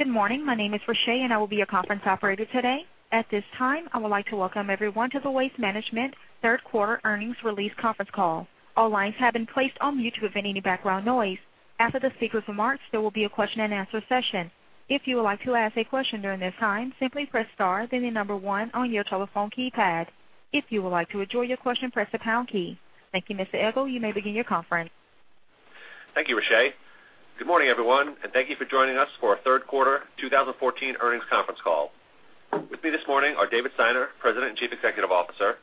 Good morning. My name is Rashay and I will be your conference operator today. At this time, I would like to welcome everyone to the Waste Management third quarter earnings release conference call. All lines have been placed on mute to avoid any background noise. After the speaker's remarks, there will be a question and answer session. If you would like to ask a question during this time, simply press star, then the number one on your telephone keypad. If you would like to withdraw your question, press the pound key. Thank you, Mr. Egl. You may begin your conference. Thank you, Rashay. Good morning, everyone, and thank you for joining us for our third quarter 2014 earnings conference call. With me this morning are David Steiner, President and Chief Executive Officer,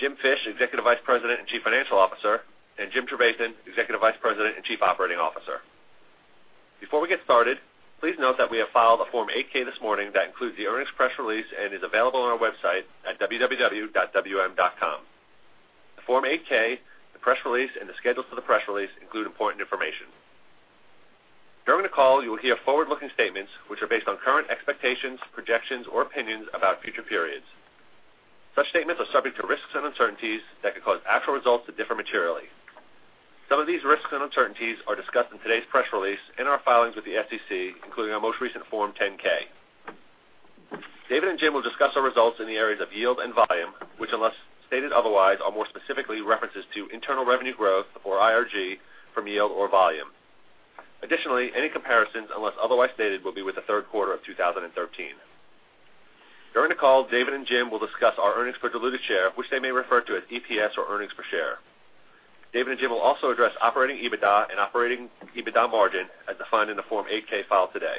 Jim Fish, Executive Vice President and Chief Financial Officer, and Jim Trevathan, Executive Vice President and Chief Operating Officer. Before we get started, please note that we have filed a Form 8-K this morning that includes the earnings press release and is available on our website at www.wm.com. The Form 8-K, the press release, and the schedules for the press release include important information. During the call, you will hear forward-looking statements which are based on current expectations, projections, or opinions about future periods. Such statements are subject to risks and uncertainties that could cause actual results to differ materially. Some of these risks and uncertainties are discussed in today's press release, in our filings with the SEC, including our most recent Form 10-K. David and Jim will discuss our results in the areas of yield and volume, which unless stated otherwise, are more specifically references to internal revenue growth, or IRG, from yield or volume. Additionally, any comparisons, unless otherwise stated, will be with the third quarter of 2013. During the call, David and Jim will discuss our earnings per diluted share, which they may refer to as EPS or earnings per share. David and Jim will also address operating EBITDA and operating EBITDA margin as defined in the Form 8-K filed today.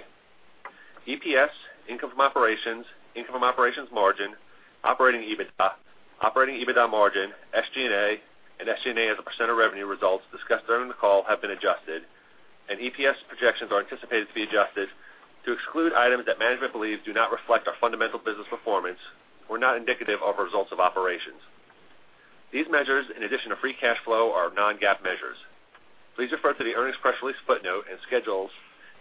EPS, income from operations, income from operations margin, operating EBITDA, operating EBITDA margin, SG&A, and SG&A as a percent of revenue results discussed during the call have been adjusted, and EPS projections are anticipated to be adjusted to exclude items that management believes do not reflect our fundamental business performance or not indicative of results of operations. These measures, in addition to free cash flow, are non-GAAP measures. Please refer to the earnings press release footnote and schedules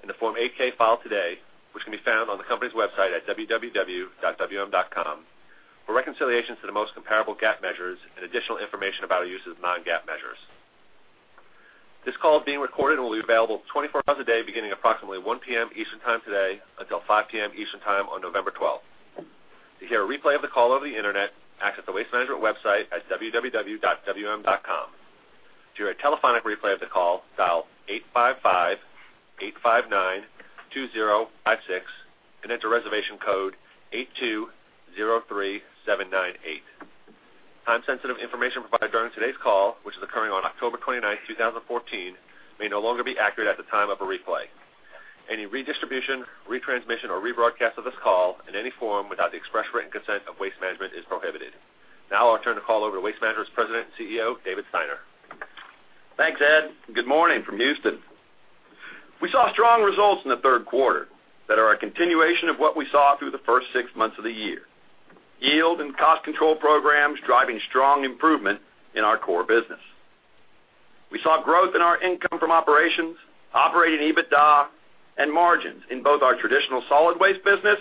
in the Form 8-K filed today, which can be found on the company's website at www.wm.com, for reconciliations to the most comparable GAAP measures and additional information about our use of non-GAAP measures. This call is being recorded and will be available 24 hours a day, beginning approximately 1:00 P.M. Eastern time today until 5:00 P.M. Eastern time on November 12th. To hear a replay of the call over the Internet, access the Waste Management website at wm.com. To hear a telephonic replay of the call, dial 855-859-2056 and enter reservation code 8203798. Time-sensitive information provided during today's call, which is occurring on October 29th, 2014, may no longer be accurate at the time of a replay. Any redistribution, retransmission, or rebroadcast of this call in any form without the express written consent of Waste Management is prohibited. Now I'll turn the call over to Waste Management's President and CEO, David Steiner. Thanks, Ed. Good morning from Houston. We saw strong results in the third quarter that are a continuation of what we saw through the first six months of the year. Yield and cost control programs driving strong improvement in our core business. We saw growth in our income from operations, operating EBITDA, and margins in both our traditional solid waste business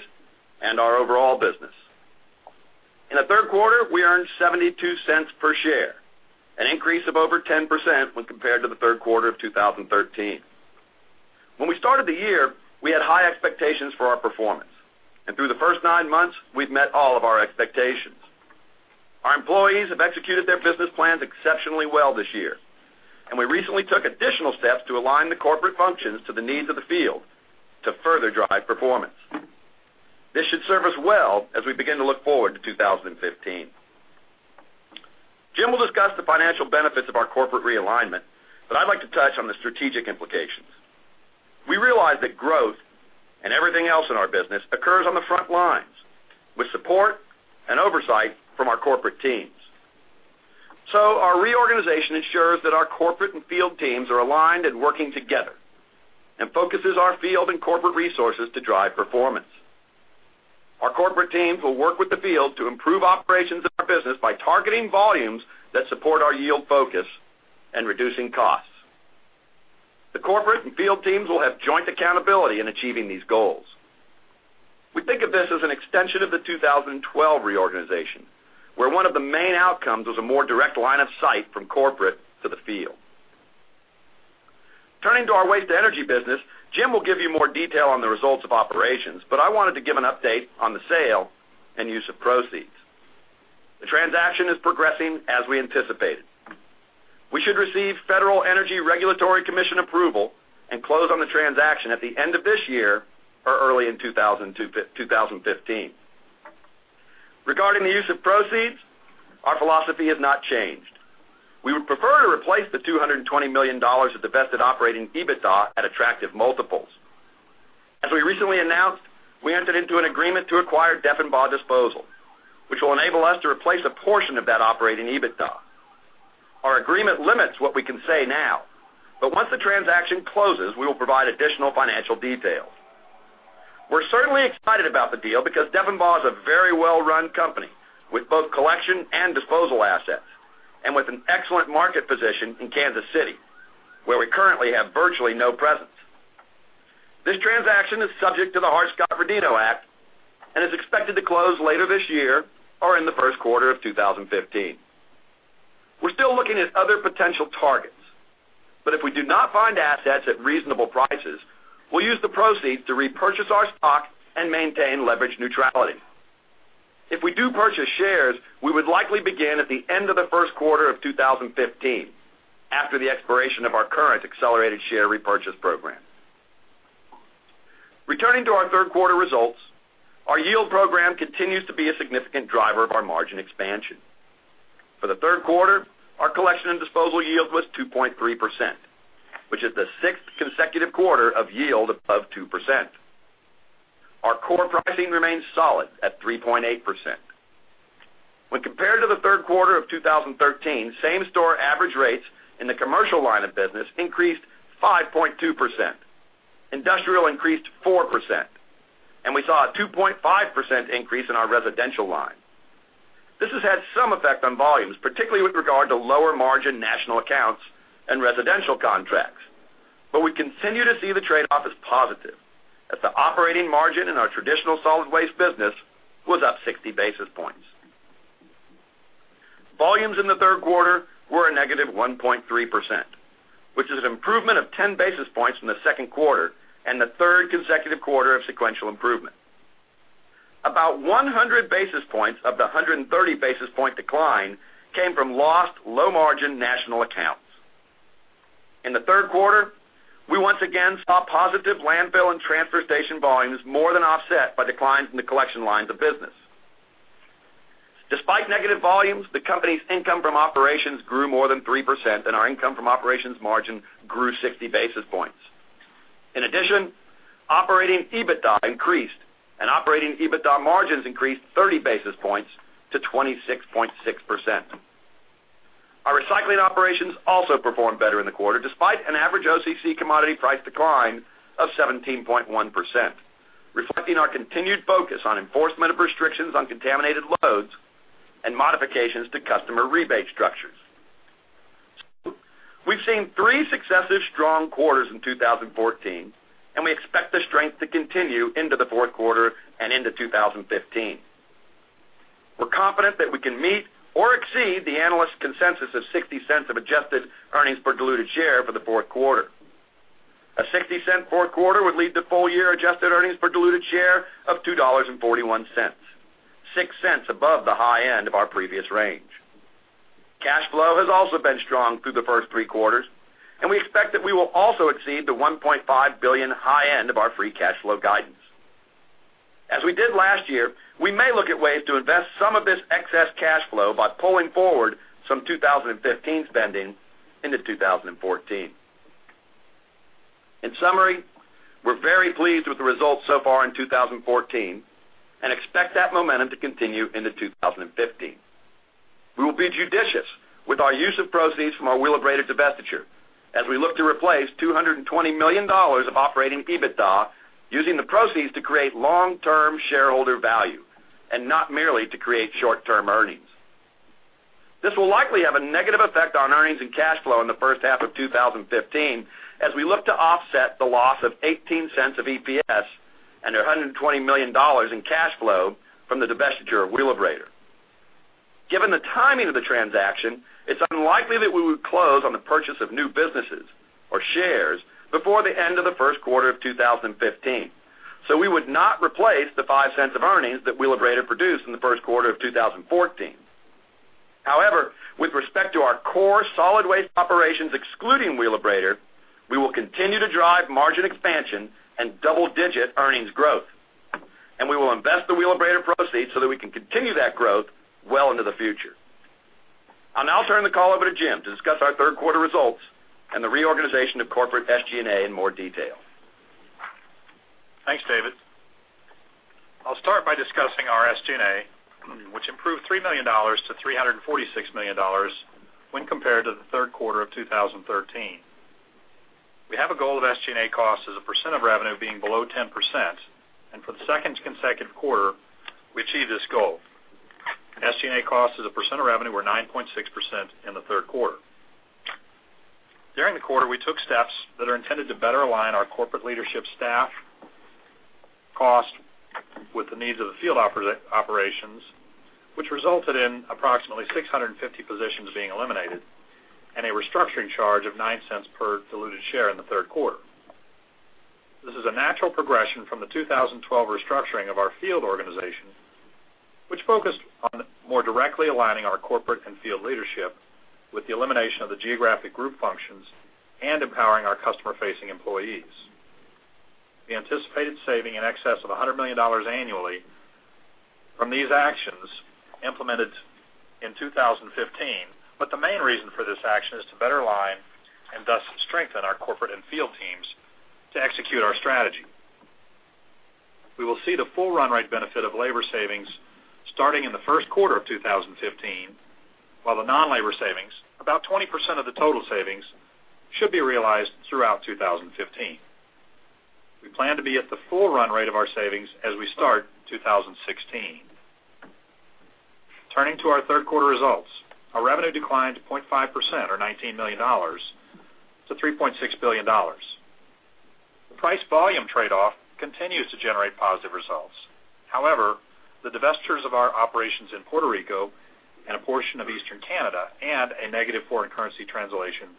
and our overall business. In the third quarter, we earned $0.72 per share, an increase of over 10% when compared to the third quarter of 2013. When we started the year, we had high expectations for our performance, and through the first nine months, we've met all of our expectations. Our employees have executed their business plans exceptionally well this year, and we recently took additional steps to align the corporate functions to the needs of the field to further drive performance. This should serve us well as we begin to look forward to 2015. Jim will discuss the financial benefits of our corporate realignment, but I'd like to touch on the strategic implications. We realize that growth and everything else in our business occurs on the front lines with support and oversight from our corporate teams. Our reorganization ensures that our corporate and field teams are aligned and working together and focuses our field and corporate resources to drive performance. Our corporate teams will work with the field to improve operations of our business by targeting volumes that support our yield focus and reducing costs. The corporate and field teams will have joint accountability in achieving these goals. We think of this as an extension of the 2012 reorganization, where one of the main outcomes was a more direct line of sight from corporate to the field. Turning to our waste energy business, Jim will give you more detail on the results of operations, but I wanted to give an update on the sale and use of proceeds. The transaction is progressing as we anticipated. We should receive Federal Energy Regulatory Commission approval and close on the transaction at the end of this year or early in 2015. Regarding the use of proceeds, our philosophy has not changed. We would prefer to replace the $220 million of divested operating EBITDA at attractive multiples. As we recently announced, we entered into an agreement to acquire Deffenbaugh Disposal, which will enable us to replace a portion of that operating EBITDA. Our agreement limits what we can say now, but once the transaction closes, we will provide additional financial details. We're certainly excited about the deal because Deffenbaugh is a very well-run company with both collection and disposal assets and with an excellent market position in Kansas City, where we currently have virtually no presence. This transaction is subject to the Hart-Scott-Rodino Act and is expected to close later this year or in the first quarter of 2015. We're still looking at other potential targets, but if we do not find assets at reasonable prices, we'll use the proceeds to repurchase our stock and maintain leverage neutrality. If we do purchase shares, we would likely begin at the end of the first quarter of 2015, after the expiration of our current accelerated share repurchase program. Returning to our third quarter results, our yield program continues to be a significant driver of our margin expansion. The third quarter, our collection and disposal yield was 2.3%, which is the sixth consecutive quarter of yield above 2%. Our core pricing remains solid at 3.8%. When compared to the third quarter of 2013, same-store average rates in the commercial line of business increased 5.2%. Industrial increased 4%, and we saw a 2.5% increase in our residential line. This has had some effect on volumes, particularly with regard to lower margin national accounts and residential contracts. We continue to see the trade-off as positive, as the operating margin in our traditional solid waste business was up 60 basis points. Volumes in the third quarter were a negative 1.3%, which is an improvement of 10 basis points from the second quarter and the third consecutive quarter of sequential improvement. About 100 basis points of the 130-basis point decline came from lost low-margin national accounts. In the third quarter, we once again saw positive landfill and transfer station volumes more than offset by declines in the collection lines of business. Despite negative volumes, the company's income from operations grew more than 3%, and our income from operations margin grew 60 basis points. In addition, operating EBITDA increased, and operating EBITDA margins increased 30 basis points to 26.6%. Our recycling operations also performed better in the quarter, despite an average OCC commodity price decline of 17.1%, reflecting our continued focus on enforcement of restrictions on contaminated loads and modifications to customer rebate structures. We've seen three successive strong quarters in 2014. We expect the strength to continue into the fourth quarter and into 2015. We're confident that we can meet or exceed the analyst consensus of $0.60 of adjusted earnings per diluted share for the fourth quarter. A $0.60 fourth quarter would lead to full-year adjusted earnings per diluted share of $2.41, $0.06 above the high end of our previous range. Cash flow has also been strong through the first three quarters. We expect that we will also exceed the $1.5 billion high end of our free cash flow guidance. As we did last year, we may look at ways to invest some of this excess cash flow by pulling forward some 2015 spending into 2014. In summary, we're very pleased with the results so far in 2014. We expect that momentum to continue into 2015. We will be judicious with our use of proceeds from our Wheelabrator divestiture as we look to replace $220 million of operating EBITDA using the proceeds to create long-term shareholder value and not merely to create short-term earnings. This will likely have a negative effect on earnings and cash flow in the first half of 2015 as we look to offset the loss of $0.18 of EPS and $120 million in cash flow from the divestiture of Wheelabrator. Given the timing of the transaction, it's unlikely that we would close on the purchase of new businesses or shares before the end of the first quarter of 2015, so we would not replace the $0.05 of earnings that Wheelabrator produced in the first quarter of 2014. However, with respect to our core solid waste operations excluding Wheelabrator, we will continue to drive margin expansion and double-digit earnings growth, and we will invest the Wheelabrator proceeds so that we can continue that growth well into the future. I'll now turn the call over to Jim to discuss our third quarter results and the reorganization of corporate SG&A in more detail. Thanks, David. I'll start by discussing our SG&A, which improved $3 million to $346 million when compared to the third quarter of 2013. We have a goal of SG&A cost as a percent of revenue being below 10%, and for the second consecutive quarter, we achieved this goal. SG&A costs as a percent of revenue were 9.6% in the third quarter. During the quarter, we took steps that are intended to better align our corporate leadership staff cost with the needs of the field operations, which resulted in approximately 650 positions being eliminated and a restructuring charge of $0.09 per diluted share in the third quarter. This is a natural progression from the 2012 restructuring of our field organization, which focused on more directly aligning our corporate and field leadership with the elimination of the geographic group functions and empowering our customer-facing employees. The anticipated saving in excess of $100 million annually from these actions implemented in 2015, but the main reason for this action is to better align and thus strengthen our corporate and field teams to execute our strategy. We will see the full run rate benefit of labor savings starting in the first quarter of 2015, while the non-labor savings, about 20% of the total savings, should be realized throughout 2015. We plan to be at the full run rate of our savings as we start 2016. Turning to our third quarter results. Our revenue declined to 0.5%, or $19 million, to $3.6 billion. Price volume trade-off continues to generate positive results. The divestitures of our operations in Puerto Rico and a portion of Eastern Canada, and a negative foreign currency translation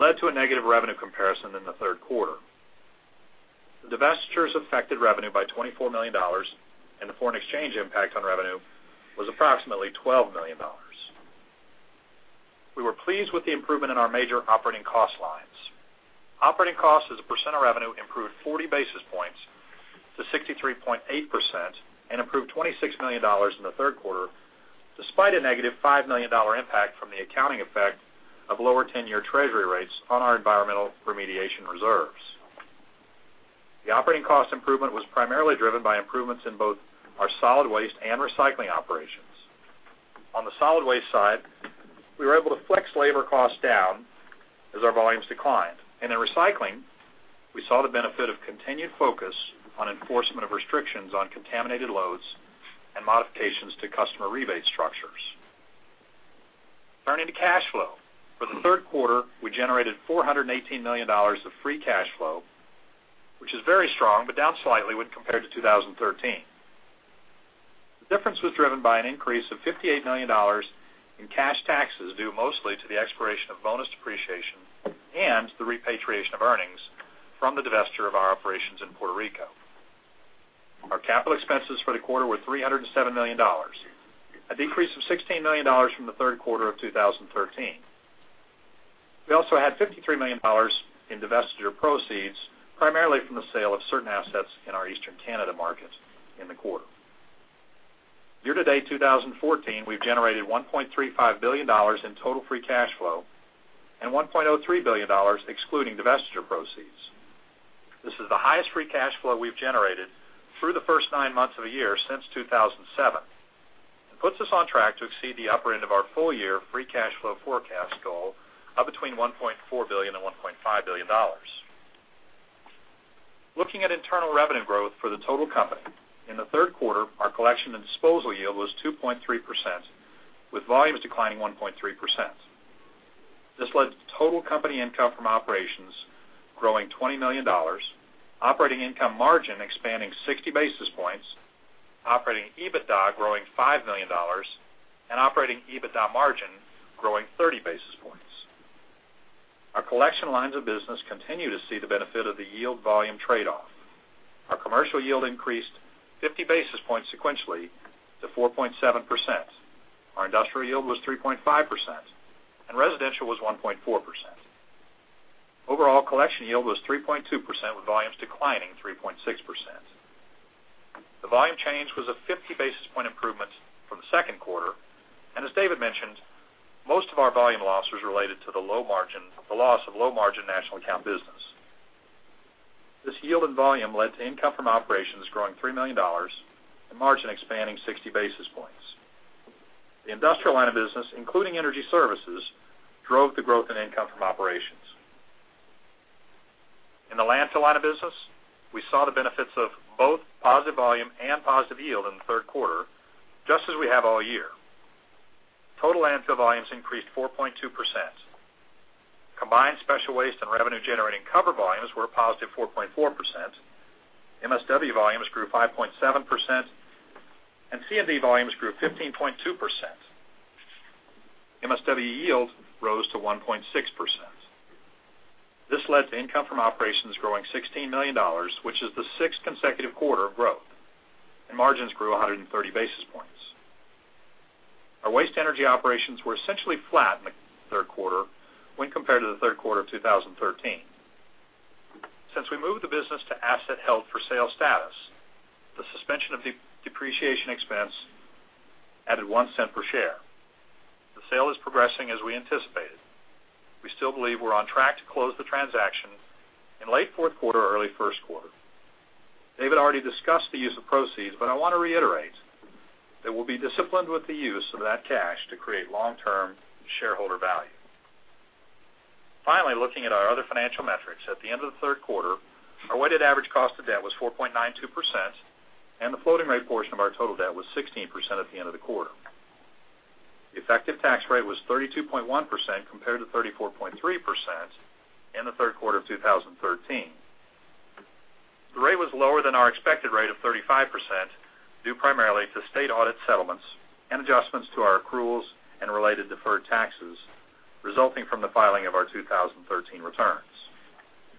led to a negative revenue comparison in the third quarter. The divestitures affected revenue by $24 million. The foreign exchange impact on revenue was approximately $12 million. We were pleased with the improvement in our major operating cost lines. Operating cost as a percent of revenue improved 40 basis points to 63.8% and improved $26 million in the third quarter, despite a negative $5 million impact from the accounting effect of lower 10-year Treasury rates on our environmental remediation reserves. The operating cost improvement was primarily driven by improvements in both our solid waste and recycling operations. On the solid waste side, we were able to flex labor costs down as our volumes declined. In recycling, we saw the benefit of continued focus on enforcement of restrictions on contaminated loads and modifications to customer rebate structures. Turning to cash flow. For the third quarter, we generated $418 million of free cash flow, which is very strong, but down slightly when compared to 2013. The difference was driven by an increase of $58 million in cash taxes, due mostly to the expiration of bonus depreciation and the repatriation of earnings from the divestiture of our operations in Puerto Rico. Our capital expenses for the quarter were $307 million, a decrease of $16 million from the third quarter of 2013. We also had $53 million in divestiture proceeds, primarily from the sale of certain assets in our Eastern Canada markets in the quarter. Year-to-date 2014, we've generated $1.35 billion in total free cash flow and $1.03 billion excluding divestiture proceeds. This is the highest free cash flow we've generated through the first nine months of a year since 2007. It puts us on track to exceed the upper end of our full-year free cash flow forecast goal of between $1.4 billion and $1.5 billion. Looking at internal revenue growth for the total company. In the third quarter, our collection and disposal yield was 2.3%, with volumes declining 1.3%. This led to total company income from operations growing $20 million, operating income margin expanding 60 basis points, operating EBITDA growing $5 million, and operating EBITDA margin growing 30 basis points. Our collection lines of business continue to see the benefit of the yield volume trade-off. Our commercial yield increased 50 basis points sequentially to 4.7%. Our industrial yield was 3.5%. Residential was 1.4%. Overall collection yield was 3.2%, with volumes declining 3.6%. The volume change was a 50 basis point improvement from the second quarter. As David mentioned, most of our volume loss was related to the loss of low margin national account business. This yield and volume led to income from operations growing $3 million and margin expanding 60 basis points. The industrial line of business, including energy services, drove the growth in income from operations. In the landfill line of business, we saw the benefits of both positive volume and positive yield in the third quarter, just as we have all year. Total landfill volumes increased 4.2%. Combined special waste and revenue-generating cover volumes were a positive 4.4%. MSW volumes grew 5.7%. C&D volumes grew 15.2%. MSW yield rose to 1.6%. This led to income from operations growing $16 million, which is the sixth consecutive quarter of growth. Margins grew 130 basis points. Our waste energy operations were essentially flat in the third quarter when compared to the third quarter of 2013. Since we moved the business to asset held for sale status, the suspension of depreciation expense added $0.01 per share. The sale is progressing as we anticipated. We still believe we're on track to close the transaction in late fourth quarter or early first quarter. David already discussed the use of proceeds, but I want to reiterate that we'll be disciplined with the use of that cash to create long-term shareholder value. Finally, looking at our other financial metrics. At the end of the third quarter, our weighted average cost of debt was 4.92%, and the floating rate portion of our total debt was 16% at the end of the quarter. The effective tax rate was 32.1%, compared to 34.3% in the third quarter of 2013. The rate was lower than our expected rate of 35%, due primarily to state audit settlements and adjustments to our accruals and related deferred taxes resulting from the filing of our 2013 returns.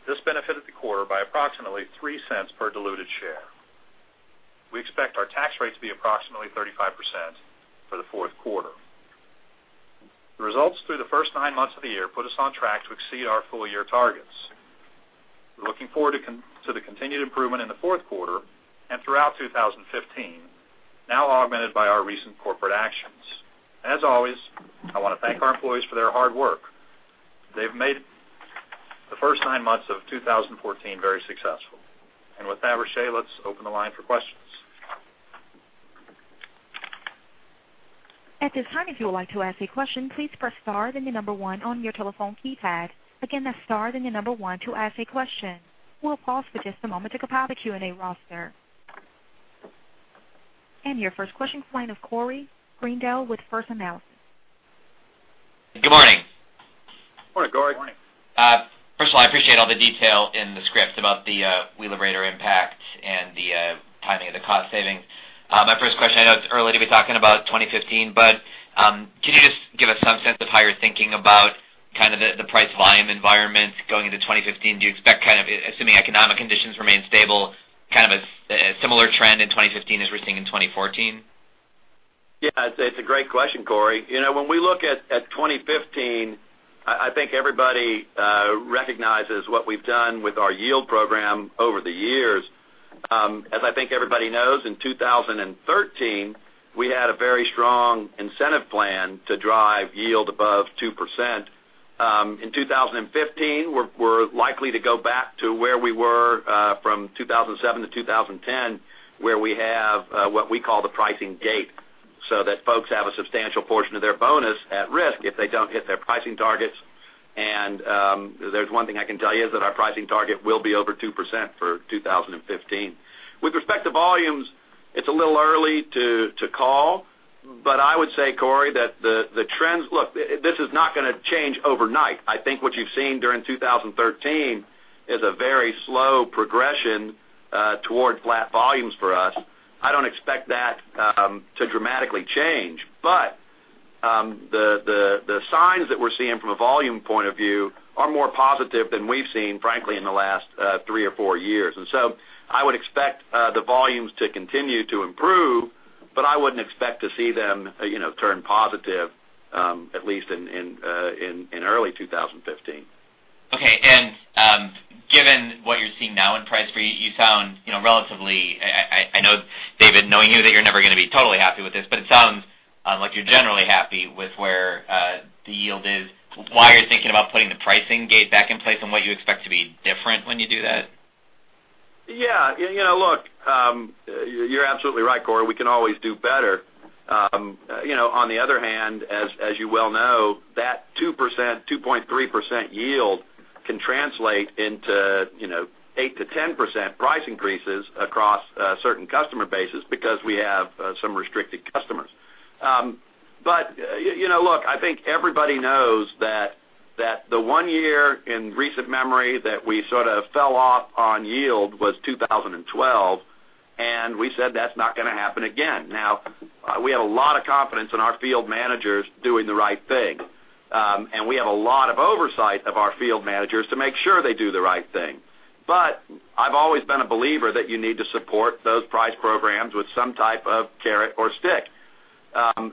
This benefited the quarter by approximately $0.03 per diluted share. We expect our tax rate to be approximately 35% for the fourth quarter. The results through the first nine months of the year put us on track to exceed our full-year targets. We're looking forward to the continued improvement in the fourth quarter and throughout 2015, now augmented by our recent corporate actions. As always, I want to thank our employees for their hard work. They've made the first nine months of 2014 very successful. With that, Rashay, let's open the line for questions. At this time, if you would like to ask a question, please press star, then the number one on your telephone keypad. Again, that's star, then the number one to ask a question. We'll pause for just a moment to compile the Q&A roster. Your first question's the line of Corey Greendale with First Analysis. Good morning. Morning, Corey. Morning. First of all, I appreciate all the detail in the script about the Wheelabrator impact and the timing of the cost savings. My first question, I know it's early to be talking about 2015, can you just give us some sense of how you're thinking about the price volume environment going into 2015? Do you expect, assuming economic conditions remain stable, a similar trend in 2015 as we're seeing in 2014? Yeah. It's a great question, Corey. When we look at 2015, I think everybody recognizes what we've done with our yield program over the years. As I think everybody knows, in 2013, we had a very strong incentive plan to drive yield above 2%. In 2015, we're likely to go back to where we were from 2007 to 2010, where we have what we call the pricing gate, so that folks have a substantial portion of their bonus at risk if they don't hit their pricing targets. There's one thing I can tell you is that our pricing target will be over 2% for 2015. With respect to volumes, it's a little early to call, I would say, Corey, look, this is not going to change overnight. I think what you've seen during 2013 is a very slow progression toward flat volumes for us. I don't expect that to dramatically change. The signs that we're seeing from a volume point of view are more positive than we've seen, frankly, in the last three or four years. I would expect the volumes to continue to improve, I wouldn't expect to see them turn positive, at least in early 2015. Okay. Given what you're seeing now in price, David, knowing you, that you're never going to be totally happy with this, but it sounds like you're generally happy with where the yield is, why you're thinking about putting the pricing gate back in place, and what you expect to be different when you do that? Yeah. Look, you're absolutely right, Corey. We can always do better. On the other hand, as you well know, that 2%, 2.3% yield can translate into 8%-10% price increases across certain customer bases because we have some restricted customers. Look, I think everybody knows that the one year in recent memory that we sort of fell off on yield was 2012. We said that's not going to happen again. We have a lot of confidence in our field managers doing the right thing. We have a lot of oversight of our field managers to make sure they do the right thing. I've always been a believer that you need to support those price programs with some type of carrot or stick.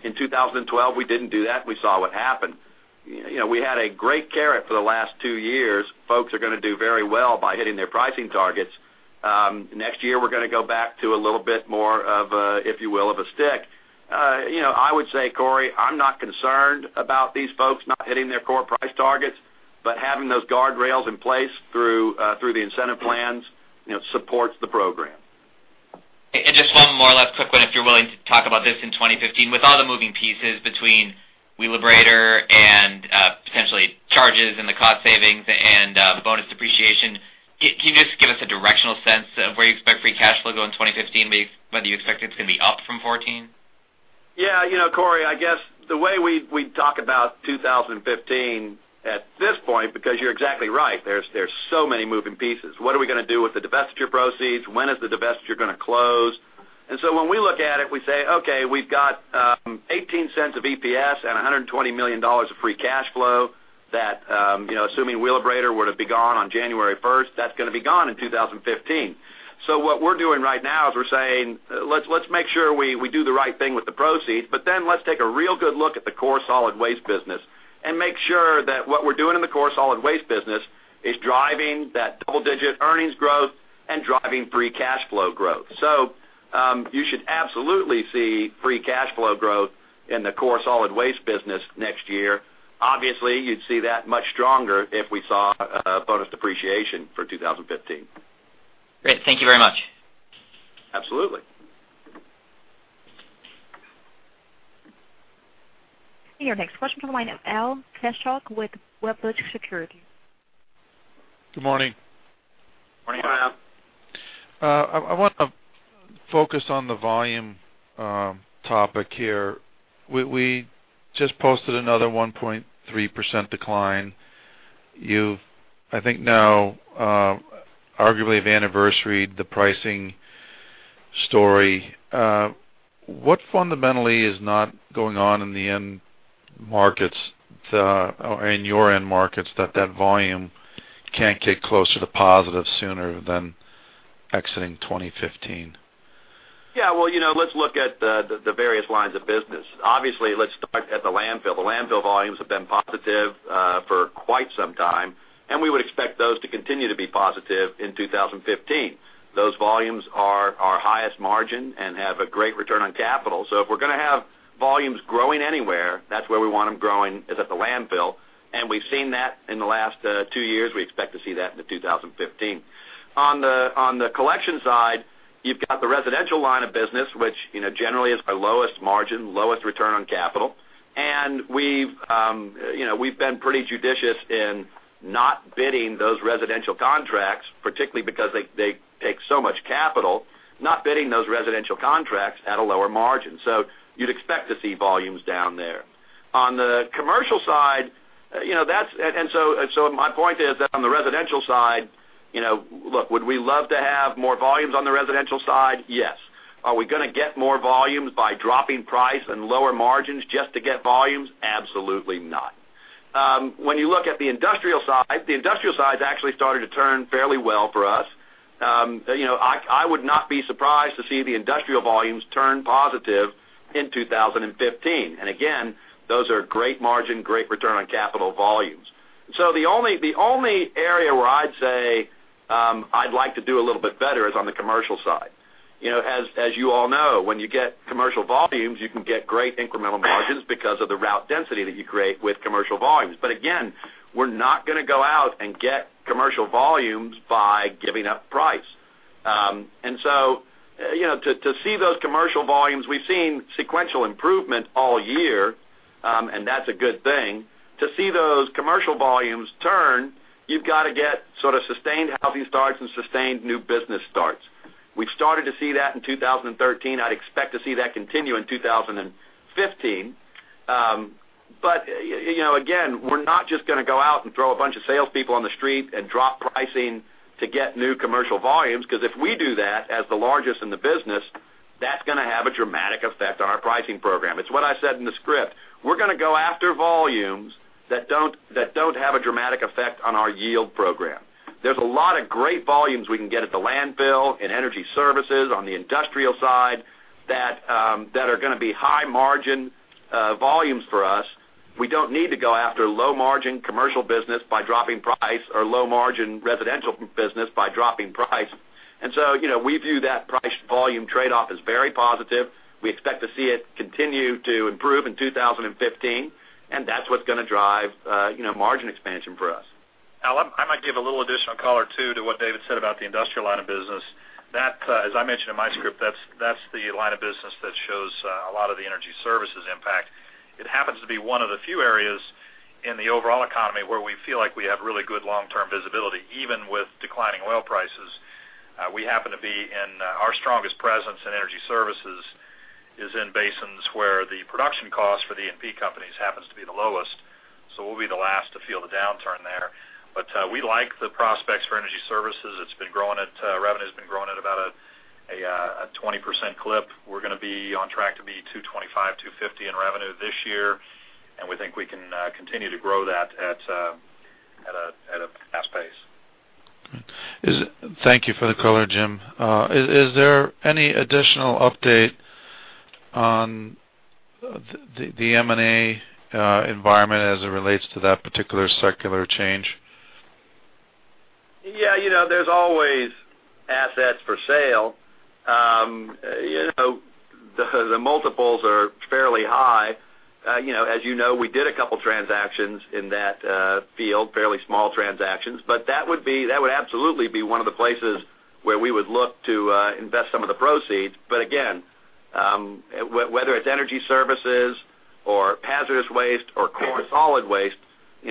In 2012, we didn't do that. We saw what happened. We had a great carrot for the last two years. Folks are going to do very well by hitting their pricing targets. Next year, we're going to go back to a little bit more of a, if you will, of a stick. I would say, Corey, I'm not concerned about these folks not hitting their core price targets. Having those guardrails in place through the incentive plans supports the program. Just one more last quick one, if you're willing to talk about this in 2015. With all the moving pieces between Wheelabrator and potentially charges and the cost savings and the bonus depreciation, can you just give us a directional sense of where you expect free cash flow to go in 2015, whether you expect it's going to be up from 2014? Yeah, Corey, I guess the way we talk about 2015 at this point, because you're exactly right, there's so many moving pieces. What are we going to do with the divestiture proceeds? When is the divestiture going to close? When we look at it, we say, "Okay, we've got $0.18 of EPS and $120 million of free cash flow that, assuming Wheelabrator were to be gone on January 1st, that's going to be gone in 2015." What we're doing right now is we're saying, "Let's make sure we do the right thing with the proceeds, then let's take a real good look at the core solid waste business and make sure that what we're doing in the core solid waste business is driving that double-digit earnings growth and driving free cash flow growth." You should absolutely see free cash flow growth in the core solid waste business next year. Obviously, you'd see that much stronger if we saw bonus depreciation for 2015. Great. Thank you very much. Absolutely. Your next question comes from the line of Al Kaschalk with Wedbush Securities. Good morning. Morning, Al. I want to focus on the volume topic here. We just posted another 1.3% decline. You've, I think now, arguably have anniversaried the pricing story. What fundamentally is not going on in your end markets that volume can't get closer to positive sooner than exiting 2015? Yeah. Well, let's look at the various lines of business. Obviously, let's start at the landfill. The landfill volumes have been positive for quite some time, and we would expect those to continue to be positive in 2015. Those volumes are our highest margin and have a great return on capital. If we're going to have volumes growing anywhere, that's where we want them growing, is at the landfill, and we've seen that in the last two years. We expect to see that into 2015. On the collection side, you've got the residential line of business, which generally is our lowest margin, lowest return on capital. We've been pretty judicious in not bidding those residential contracts, particularly because they take so much capital, not bidding those residential contracts at a lower margin. You'd expect to see volumes down there. On the commercial side, my point is that on the residential side, look, would we love to have more volumes on the residential side? Yes. Are we going to get more volumes by dropping price and lower margins just to get volumes? Absolutely not. You look at the industrial side, the industrial side's actually started to turn fairly well for us. I would not be surprised to see the industrial volumes turn positive in 2015. Again, those are great margin, great return on capital volumes. The only area where I'd say I'd like to do a little bit better is on the commercial side. As you all know, when you get commercial volumes, you can get great incremental margins because of the route density that you create with commercial volumes. Again, we're not going to go out and get commercial volumes by giving up price. To see those commercial volumes, we've seen sequential improvement all year, and that's a good thing. To see those commercial volumes turn, you've got to get sort of sustained healthy starts and sustained new business starts. We've started to see that in 2013. I'd expect to see that continue in 2015. Again, we're not just going to go out and throw a bunch of salespeople on the street and drop pricing to get new commercial volumes, because if we do that as the largest in the business, that's going to have a dramatic effect on our pricing program. It's what I said in the script. We're going to go after volumes that don't have a dramatic effect on our yield program. There's a lot of great volumes we can get at the landfill, in energy services, on the industrial side, that are going to be high margin volumes for us. We don't need to go after low margin commercial business by dropping price or low margin residential business by dropping price. We view that price volume trade-off as very positive. We expect to see it continue to improve in 2015, and that's what's going to drive margin expansion for us. Al, I might give a little additional color, too, to what David said about the industrial line of business. As I mentioned in my script, that's the line of business that shows a lot of the energy services impact. It happens to be one of the few areas in the overall economy where we feel like we have really good long-term visibility, even with declining oil prices. We happen to be in our strongest presence in energy services, is in basins where the production cost for the E&P companies happens to be the lowest. We'll be the last to feel the downturn there. We like the prospects for energy services. Revenue's been growing at about a 20% clip. We're going to be on track to be $225 million-$250 million in revenue this year, and we think we can continue to grow that at a fast pace. Thank you for the color, Jim. Is there any additional update on the M&A environment as it relates to that particular secular change? Yeah. There's always assets for sale. The multiples are fairly high. As you know, we did a couple transactions in that field, fairly small transactions. That would absolutely be one of the places where we would look to invest some of the proceeds. Again, whether it's energy services or hazardous waste or core solid waste,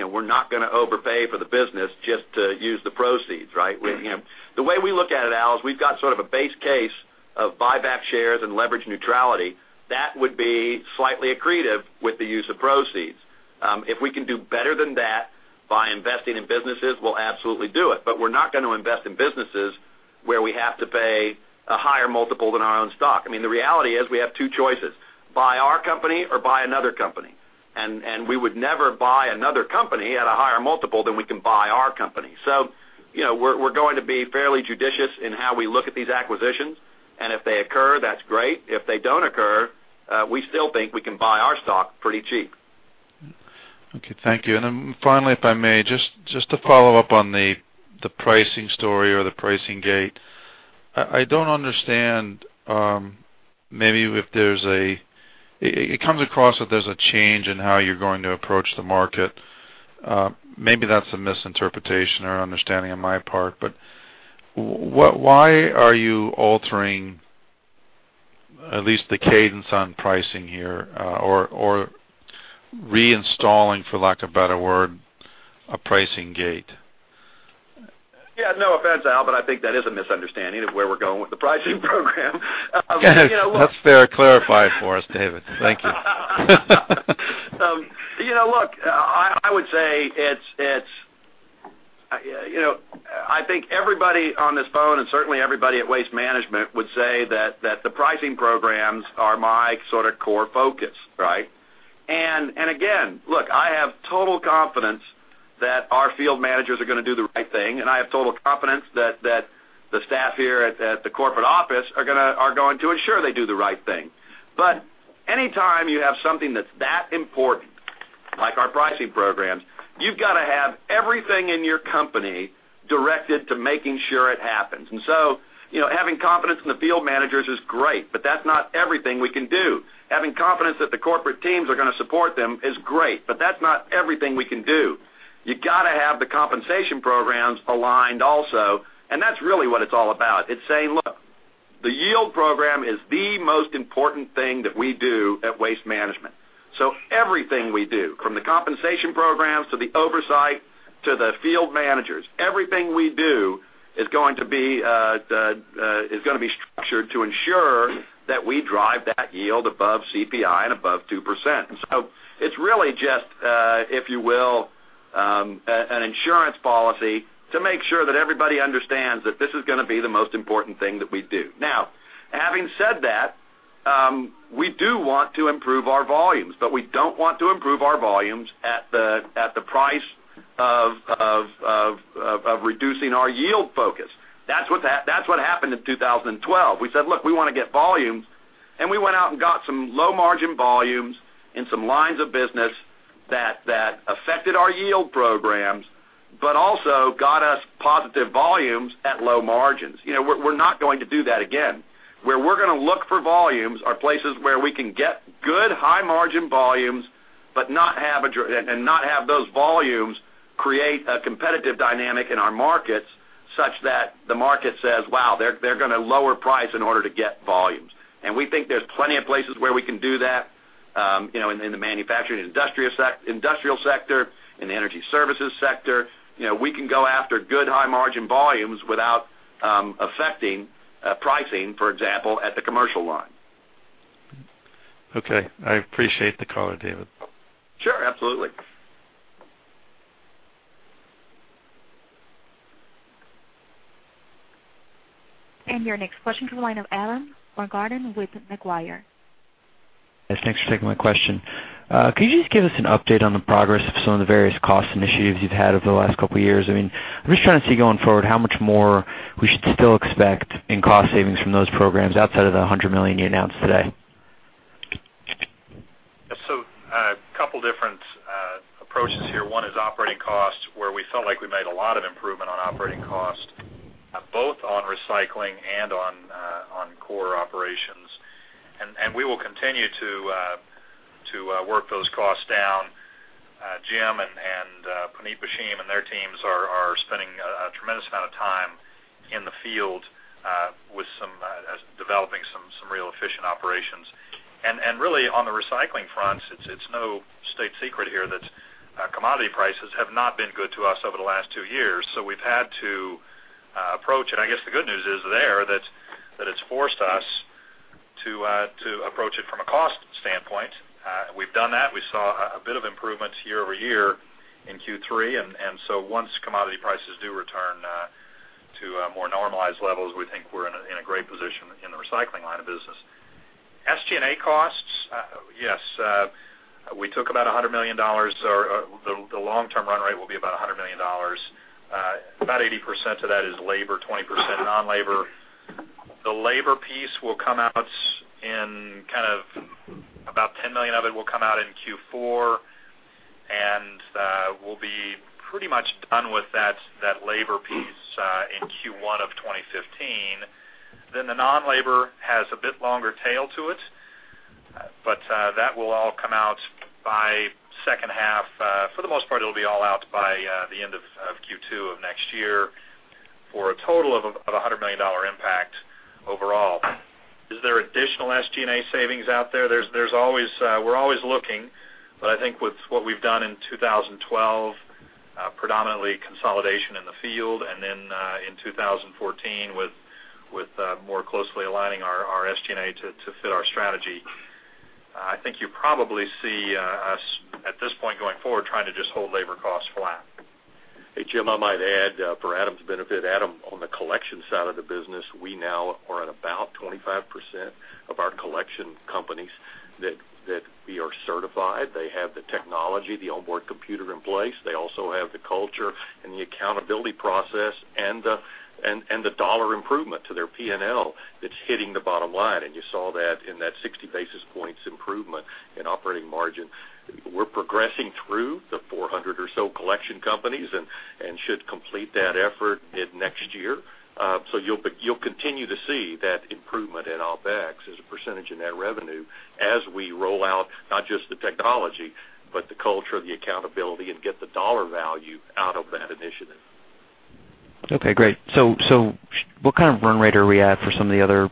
we're not going to overpay for the business just to use the proceeds, right? The way we look at it, Al, is we've got sort of a base case of buyback shares and leverage neutrality that would be slightly accretive with the use of proceeds. If we can do better than that by investing in businesses, we'll absolutely do it, but we're not going to invest in businesses where we have to pay a higher multiple than our own stock. The reality is we have two choices: buy our company or buy another company. We would never buy another company at a higher multiple than we can buy our company. We're going to be fairly judicious in how we look at these acquisitions. If they occur, that's great. If they don't occur, we still think we can buy our stock pretty cheap. Okay. Thank you. Finally, if I may, just to follow up on the pricing story or the pricing gate. I don't understand, it comes across that there's a change in how you're going to approach the market. Maybe that's a misinterpretation or understanding on my part, why are you altering at least the cadence on pricing here, or reinstalling, for lack of a better word, a pricing gate? Yeah. No offense, Al Kaschalk, but I think that is a misunderstanding of where we're going with the pricing program. That's fair. Clarify for us, David. Thank you. Look, I would say, I think everybody on this phone, and certainly everybody at Waste Management, would say that the pricing programs are my core focus, right? Again, look, I have total confidence that our field managers are going to do the right thing, and I have total confidence that the staff here at the corporate office are going to ensure they do the right thing. Anytime you have something that's that important, like our pricing programs, you've got to have everything in your company directed to making sure it happens. Having confidence in the field managers is great, but that's not everything we can do. Having confidence that the corporate teams are going to support them is great, but that's not everything we can do. You got to have the compensation programs aligned also, and that's really what it's all about. It's saying, "Look, the yield program is the most important thing that we do at Waste Management. Everything we do, from the compensation programs to the oversight to the field managers, everything we do is going to be structured to ensure that we drive that yield above CPI and above 2%. It's really just, if you will, an insurance policy to make sure that everybody understands that this is going to be the most important thing that we do. Now, having said that, we do want to improve our volumes, we don't want to improve our volumes at the price of reducing our yield focus. That's what happened in 2012. We said, "Look, we want to get volumes." We went out and got some low margin volumes in some lines of business that affected our yield programs, but also got us positive volumes at low margins. We're not going to do that again. Where we're going to look for volumes are places where we can get good high margin volumes and not have those volumes create a competitive dynamic in our markets such that the market says, "Wow, they're going to lower price in order to get volumes." We think there's plenty of places where we can do that in the manufacturing industrial sector, in the energy services sector. We can go after good high margin volumes without affecting pricing, for example, at the commercial line. Okay. I appreciate the color, David. Sure, absolutely. Your next question comes the line of Adam Baumgarten with Macquarie. Yes, thanks for taking my question. Could you just give us an update on the progress of some of the various cost initiatives you've had over the last couple of years? I'm just trying to see going forward how much more we should still expect in cost savings from those programs outside of the $100 million you announced today. A couple different approaches here. One is operating costs, where we felt like we made a lot of improvement on operating cost, both on recycling and on core operations. We will continue to work those costs down. Jim and Puneet Bhasin and their teams are spending a tremendous amount of time in the field with developing some real efficient operations. Really on the recycling front, it's no state secret here that commodity prices have not been good to us over the last two years. We've had to approach, and I guess the good news is there, that it's forced us to approach it from a cost standpoint. We've done that. We saw a bit of improvements year-over-year in Q3, once commodity prices do return to more normalized levels, we think we're in a great position in the recycling line of business. SG&A costs, yes, we took about $100 million. The long-term run rate will be about $100 million. About 80% of that is labor, 20% non-labor. About $10 million of it will come out in Q4, and we'll be pretty much done with that labor piece in Q1 of 2015. The non-labor has a bit longer tail to it, but that will all come out by second half. For the most part, it'll be all out by the end of Q2 of next year, for a total of $100 million impact overall. Is there additional SG&A savings out there? We're always looking, I think with what we've done in 2012, predominantly consolidation in the field, and then in 2014 with more closely aligning our SG&A to fit our strategy, I think you probably see us at this point going forward, trying to just hold labor costs flat. Hey, Jim, I might add for Adam's benefit. Adam, on the collection side of the business, we now are at about 25% of our collection companies that we are certified. They have the technology, the onboard computer in place. They also have the culture and the accountability process and the dollar improvement to their P&L that's hitting the bottom line. You saw that in that 60 basis points improvement in operating margin. We're progressing through the 400 or so collection companies and should complete that effort mid next year. You'll continue to see that improvement in OpEx as a percentage of net revenue as we roll out not just the technology, but the culture, the accountability, and get the dollar value out of that initiative. Okay, great. What kind of run rate are we at for some of the other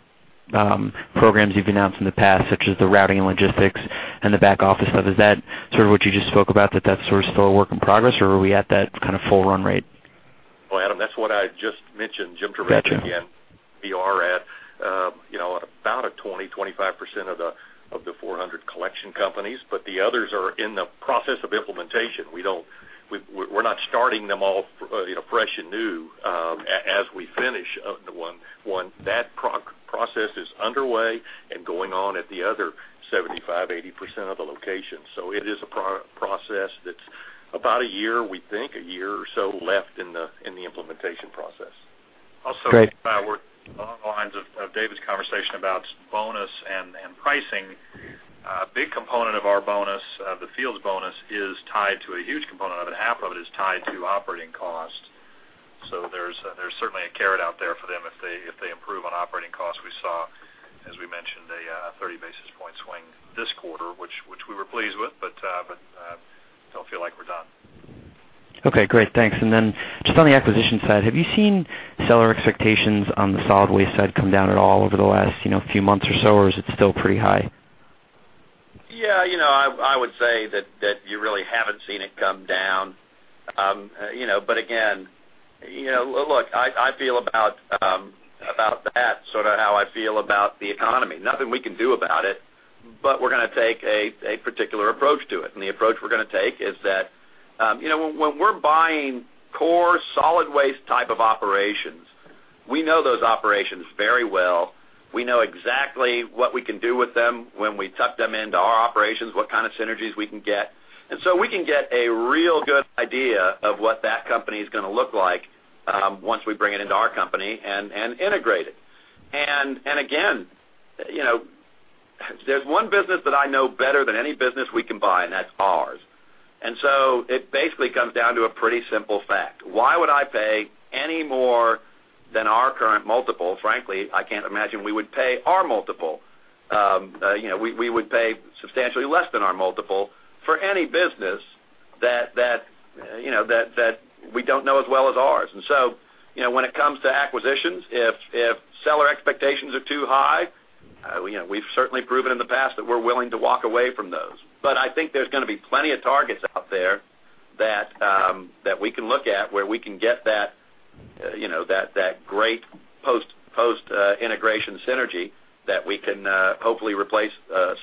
programs you've announced in the past, such as the routing and logistics and the back office stuff? Is that sort of what you just spoke about, that sort of still a work in progress, or are we at that kind of full run rate? Well, Adam, that's what I just mentioned. Gotcha. Jim Trevathan again. We are at about a 20, 25% of the 400 collection companies, the others are in the process of implementation. We're not starting them off fresh and new as we finish one. That process is underway and going on at the other 75, 80% of the locations. It is a process that's about a year, we think a year or so left in the implementation process. Great. Along the lines of David's conversation about bonus and pricing, a big component of our bonus, the field's bonus, is tied to a huge component of it. Half of it is tied to operating cost. There's certainly a carrot out there for them if they improve on operating costs we saw a 30 basis point swing this quarter, which we were pleased with, but don't feel like we're done. Okay, great. Thanks. Just on the acquisition side, have you seen seller expectations on the solid waste side come down at all over the last few months or so, or is it still pretty high? Yeah, I would say that you really haven't seen it come down. Again, look, I feel about that sort of how I feel about the economy. Nothing we can do about it, but we're going to take a particular approach to it. The approach we're going to take is that when we're buying core solid waste type of operations, we know those operations very well. We know exactly what we can do with them when we tuck them into our operations, what kind of synergies we can get. So we can get a real good idea of what that company is going to look like once we bring it into our company and integrate it. Again, there's one business that I know better than any business we can buy, and that's ours. So it basically comes down to a pretty simple fact. Why would I pay any more than our current multiple? Frankly, I can't imagine we would pay our multiple. We would pay substantially less than our multiple for any business that we don't know as well as ours. So, when it comes to acquisitions, if seller expectations are too high, we've certainly proven in the past that we're willing to walk away from those. I think there's going to be plenty of targets out there that we can look at where we can get that great post-integration synergy that we can hopefully replace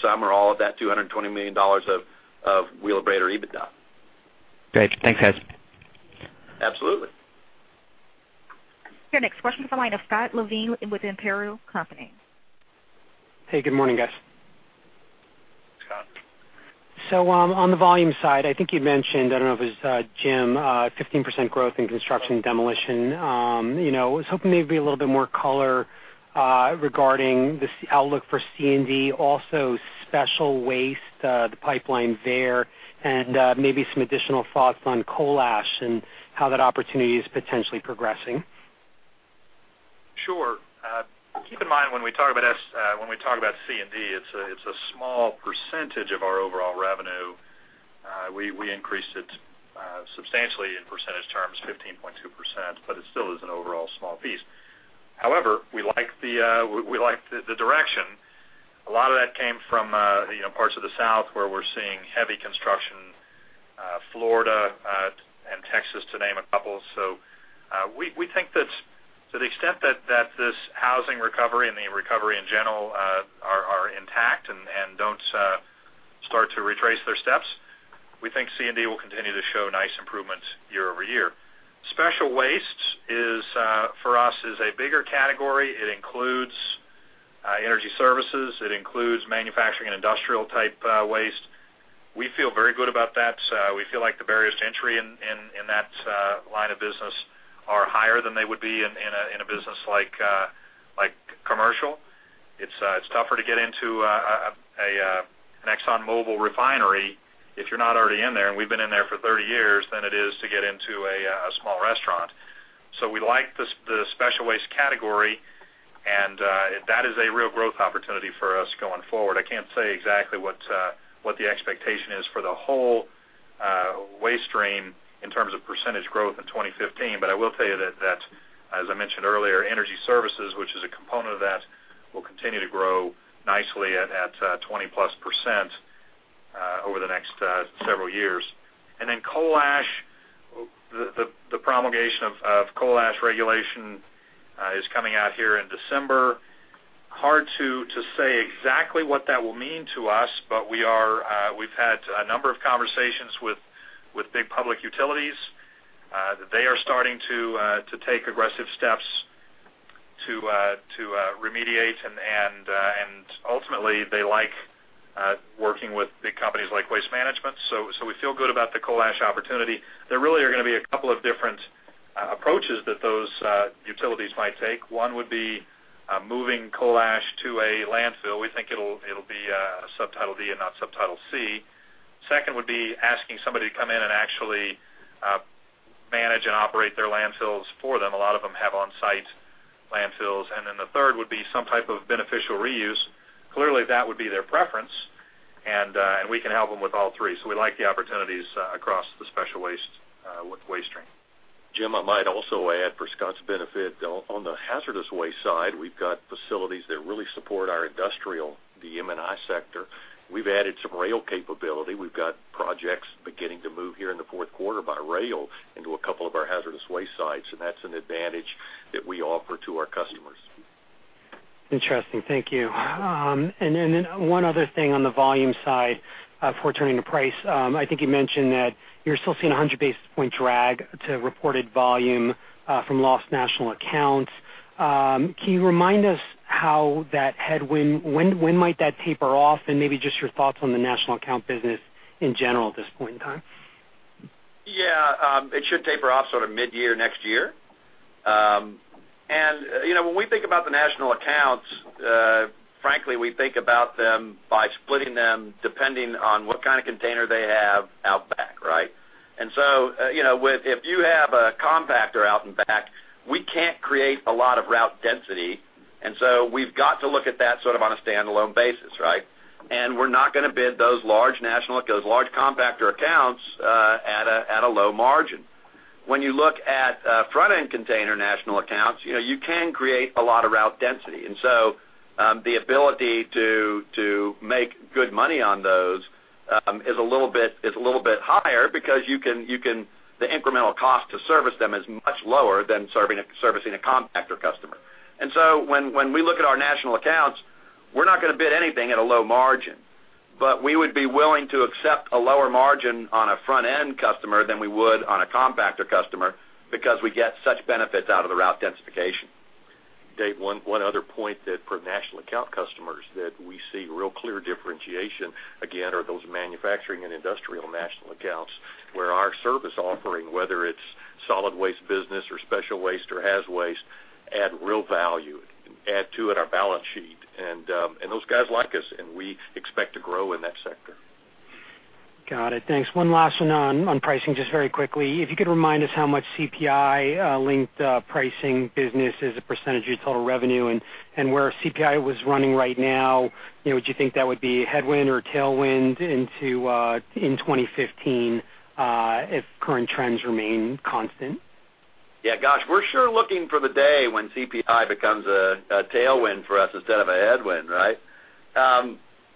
some or all of that $220 million of Wheelabrator EBITDA. Great. Thanks, guys. Absolutely. Your next question comes on the line of Scott Levine with Imperial Capital. Hey, good morning, guys. Scott. On the volume side, I think you'd mentioned, I don't know if it was Jim, 15% growth in construction demolition. I was hoping maybe a little bit more color regarding this outlook for C&D, also special waste, the pipeline there, and maybe some additional thoughts on coal ash and how that opportunity is potentially progressing. Sure. Keep in mind when we talk about C&D, it's a small percentage of our overall revenue. We increased it substantially in percentage terms, 15.2%, but it still is an overall small piece. However, we like the direction. A lot of that came from parts of the South where we're seeing heavy construction, Florida, and Texas to name a couple. We think to the extent that this housing recovery and the recovery in general are intact and don't start to retrace their steps, we think C&D will continue to show nice improvements year-over-year. Special waste for us is a bigger category. It includes energy services, it includes manufacturing and industrial type waste. We feel very good about that. We feel like the barriers to entry in that line of business are higher than they would be in a business like commercial. It's tougher to get into an ExxonMobil refinery if you're not already in there, and we've been in there for 30 years, than it is to get into a small restaurant. We like the special waste category, and that is a real growth opportunity for us going forward. I can't say exactly what the expectation is for the whole waste stream in terms of percentage growth in 2015, but I will tell you that as I mentioned earlier, energy services, which is a component of that, will continue to grow nicely at 20-plus percent over the next several years. Coal ash, the promulgation of coal ash regulation is coming out here in December. Hard to say exactly what that will mean to us, but we've had a number of conversations with big public utilities. They are starting to take aggressive steps to remediate, and ultimately, they like working with big companies like Waste Management. We feel good about the coal ash opportunity. There really are going to be a couple of different approaches that those utilities might take. One would be moving coal ash to a landfill. We think it'll be a Subtitle D and not Subtitle C. Second would be asking somebody to come in and actually manage and operate their landfills for them. A lot of them have on-site landfills. The third would be some type of beneficial reuse. Clearly, that would be their preference, and we can help them with all three. We like the opportunities across the special waste stream. Jim, I might also add for Scott's benefit, on the hazardous waste side, we've got facilities that really support our industrial, the M&I sector. We've added some rail capability. We've got projects beginning to move here in the fourth quarter by rail into a couple of our hazardous waste sites, and that's an advantage that we offer to our customers. Interesting. Thank you. Then one other thing on the volume side before turning to price. I think you mentioned that you are still seeing 100 basis point drag to reported volume from lost national accounts. Can you remind us how that headwind, when might that taper off? Maybe just your thoughts on the national account business in general at this point in time. Yeah. It should taper off mid-year next year. When we think about the national accounts, frankly, we think about them by splitting them depending on what kind of container they have out back. If you have a compactor out in back, we can't create a lot of route density, and so we've got to look at that sort of on a standalone basis, right? We're not going to bid those large national accounts, those large compactor accounts, at a low margin. When you look at front-end container national accounts, you can create a lot of route density. The ability to make good money on those is a little bit higher because the incremental cost to service them is much lower than servicing a compactor customer. When we look at our national accounts, we're not going to bid anything at a low margin. We would be willing to accept a lower margin on a front-end customer than we would on a compactor customer because we get such benefits out of the route densification. Dave, one other point that for national account customers that we see real clear differentiation, again, are those manufacturing and industrial national accounts where our service offering, whether it's solid waste business or special waste or haz waste, add real value, add to it our balance sheet. Those guys like us, and we expect to grow in that sector. Got it. Thanks. One last one on pricing, just very quickly. If you could remind us how much CPI-linked pricing business as a percentage of total revenue and where CPI was running right now. Do you think that would be a headwind or a tailwind in 2015 if current trends remain constant? Yeah. Gosh, we're sure looking for the day when CPI becomes a tailwind for us instead of a headwind, right?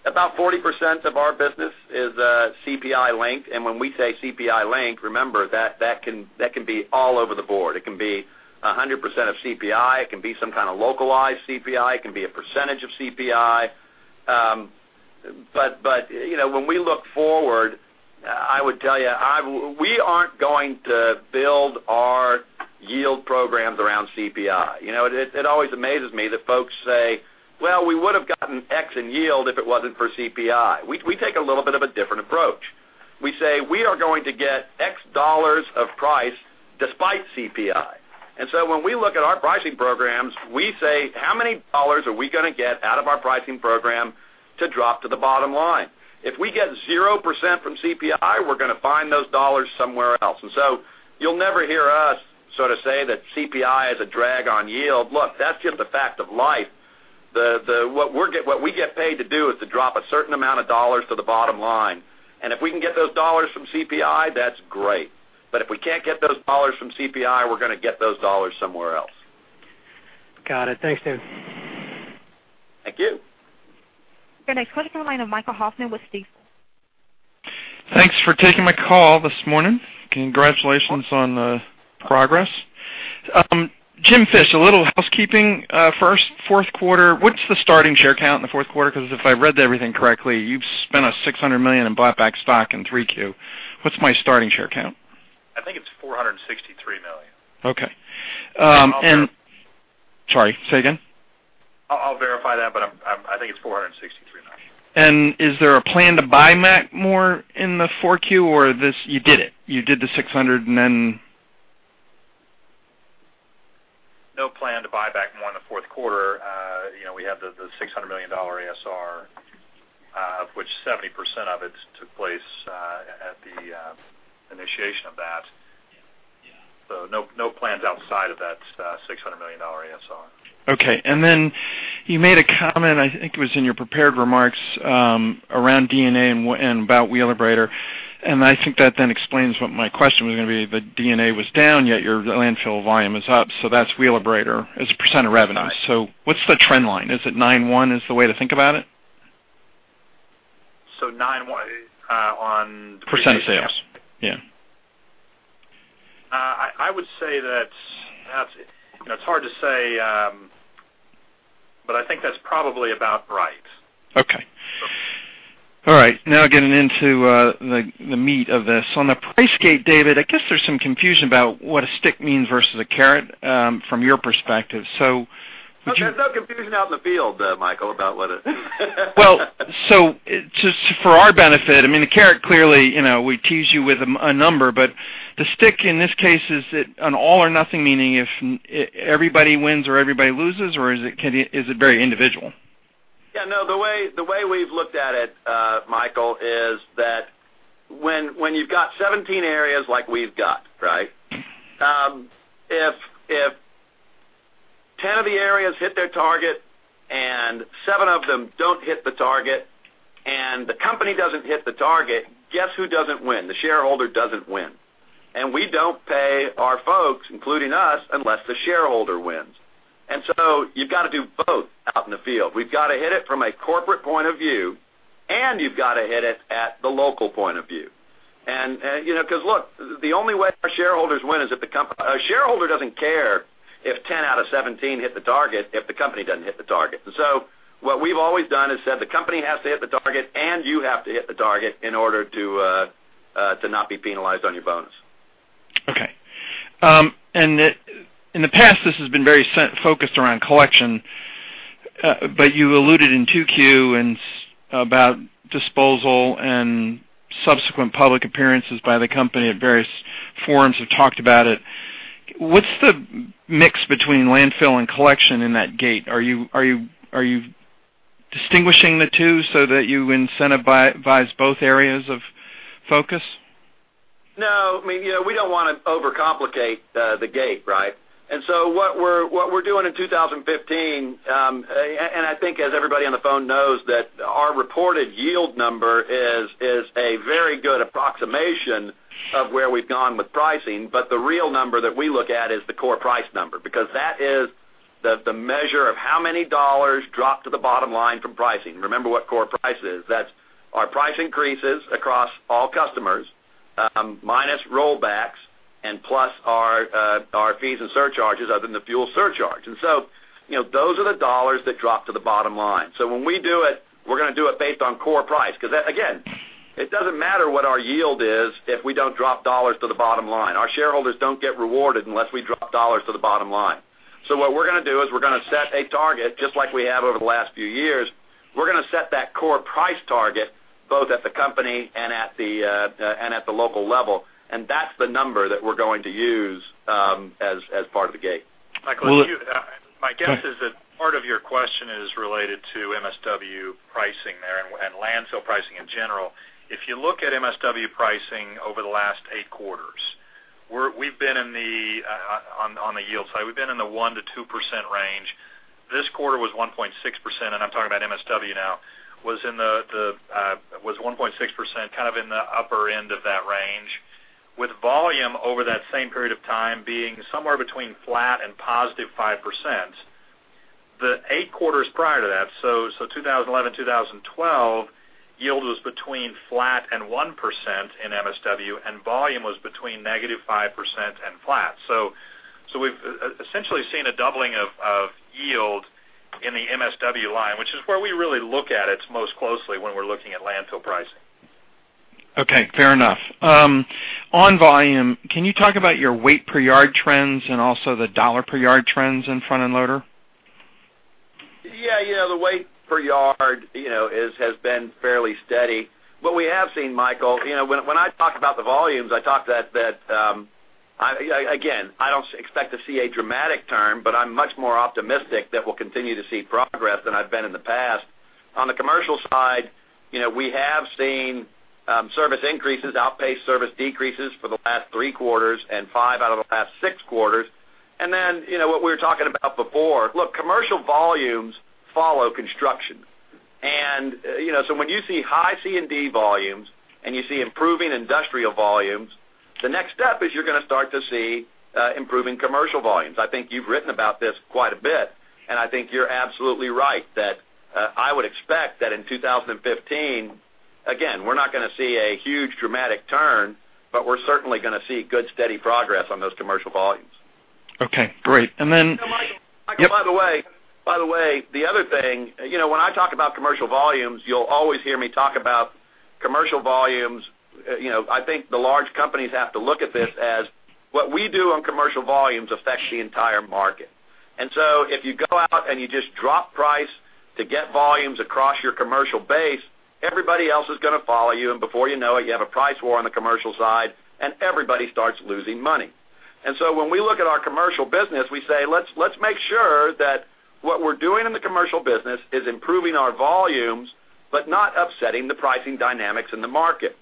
About 40% of our business is CPI-linked. When we say CPI-linked, remember that can be all over the board. It can be 100% of CPI. It can be some kind of localized CPI. It can be a percentage of CPI. When we look forward, I would tell you, we aren't going to build our yield programs around CPI. It always amazes me that folks say, "Well, we would have gotten X in yield if it wasn't for CPI." We take a little bit of a different approach. We say, "We are going to get X dollars of price despite CPI." When we look at our pricing programs, we say, "How many dollars are we going to get out of our pricing program to drop to the bottom line?" If we get 0% from CPI, we're going to find those dollars somewhere else. You'll never hear us sort of say that CPI is a drag on yield. Look, that's just a fact of life. What we get paid to do is to drop a certain amount of dollars to the bottom line. If we can get those dollars from CPI, that's great. If we can't get those dollars from CPI, we're going to get those dollars somewhere else. Got it. Thanks, Dave. Thank you. Gonna go to the line of Michael Hoffman with Stifel. Thanks for taking my call this morning. Congratulations on the progress. Jim Fish, a little housekeeping first. Fourth quarter, what's the starting share count in the fourth quarter? If I read everything correctly, you've spent a $600 million and bought back stock in three Q. What's my starting share count? I think it's 463 million. Okay. I'll verify- Sorry, say again. I'll verify that, but I think it's 463 million. is there a plan to buy back more in the 4Q, or you did it? You did the $600? No plan to buy back more in the fourth quarter. We have the $600 million ASR, of which 70% of it took place at the initiation of that. No plans outside of that $600 million ASR. Okay. You made a comment, I think it was in your prepared remarks, around D&A and about Wheelabrator, and I think that then explains what my question was going to be. The D&A was down, yet your landfill volume is up. That's Wheelabrator as a percent of revenue. Right. What's the trend line? Is it 9.1 is the way to think about it? 9.1 on the previous- Percent of sales. Yeah. I would say it's hard to say, but I think that's probably about right. Okay. All right, getting into the meat of this. On the price gate, David, I guess there's some confusion about what a stick means versus a carrot from your perspective. Would you- There's no confusion out in the field, Michael, about what a Just for our benefit, I mean, the carrot clearly, we tease you with a number, but the stick in this case, is it an all or nothing meaning if everybody wins or everybody loses, or is it very individual? Yeah, no, the way we've looked at it, Michael, is that when you've got 17 areas like we've got, right? If 10 of the areas hit their target and seven of them don't hit the target and the company doesn't hit the target, guess who doesn't win? The shareholder doesn't win. We don't pay our folks, including us, unless the shareholder wins. You've got to do both out in the field. We've got to hit it from a corporate point of view, and you've got to hit it at the local point of view. Look, the only way our shareholders win is if the company shareholder doesn't care if 10 out of 17 hit the target if the company doesn't hit the target. What we've always done is said the company has to hit the target and you have to hit the target in order to not be penalized on your bonus. Okay. In the past, this has been very focused around collection, but you alluded in 2Q about disposal and subsequent public appearances by the company at various forums have talked about it. What's the mix between landfill and collection in that gate? Are you distinguishing the two so that you incentivize both areas of focus? No, we don't want to overcomplicate the gate, right? What we're doing in 2015, and I think as everybody on the phone knows that our reported yield number is a very good approximation of where we've gone with pricing. The real number that we look at is the core price number, because that is the measure of how many dollars drop to the bottom line from pricing. Remember what core price is. That's our price increases across all customers, minus rollbacks and plus our fees and surcharges other than the fuel surcharge. Those are the dollars that drop to the bottom line. When we do it, we're going to do it based on core price, because, again, it doesn't matter what our yield is if we don't drop dollars to the bottom line. Our shareholders don't get rewarded unless we drop dollars to the bottom line. What we're going to do is we're going to set a target, just like we have over the last few years. We're going to set that core price target both at the company and at the local level. That's the number that we're going to use as part of the gate. Michael, my guess is that part of your question is related to MSW pricing there and landfill pricing in general. If you look at MSW pricing over the last 8 quarters, on the yield side, we've been in the 1%-2% range. This quarter was 1.6%, and I'm talking about MSW now, was 1.6%, kind of in the upper end of that range, with volume over that same period of time being somewhere between flat and positive 5%. The 8 quarters prior to that, so 2011-2012, yield was between flat and 1% in MSW, and volume was between negative 5% and flat. We've essentially seen a doubling of yield in the MSW line, which is where we really look at it most closely when we're looking at landfill pricing. Okay, fair enough. On volume, can you talk about your weight per yard trends and also the $ per yard trends in front end loader? Yeah, the weight per yard has been fairly steady. We have seen, Michael, when I talk about the volumes, again, I don't expect to see a dramatic turn, but I'm much more optimistic that we'll continue to see progress than I've been in the past. On the commercial side, we have seen service increases outpace service decreases for the past three quarters and five out of the past six quarters. What we were talking about before, look, commercial volumes follow construction. When you see high C&D volumes and you see improving industrial volumes, the next step is you're going to start to see improving commercial volumes. I think you've written about this quite a bit, and I think you're absolutely right that I would expect that in 2015, again, we're not going to see a huge dramatic turn, but we're certainly going to see good, steady progress on those commercial volumes. Okay, great. Michael, by the way, the other thing, when I talk about commercial volumes, you'll always hear me talk about commercial volumes. I think the large companies have to look at this as what we do on commercial volumes affects the entire market. If you go out and you just drop price to get volumes across your commercial base, everybody else is going to follow you, and before you know it, you have a price war on the commercial side and everybody starts losing money. When we look at our commercial business, we say, let's make sure that what we're doing in the commercial business is improving our volumes, but not upsetting the pricing dynamics in the market.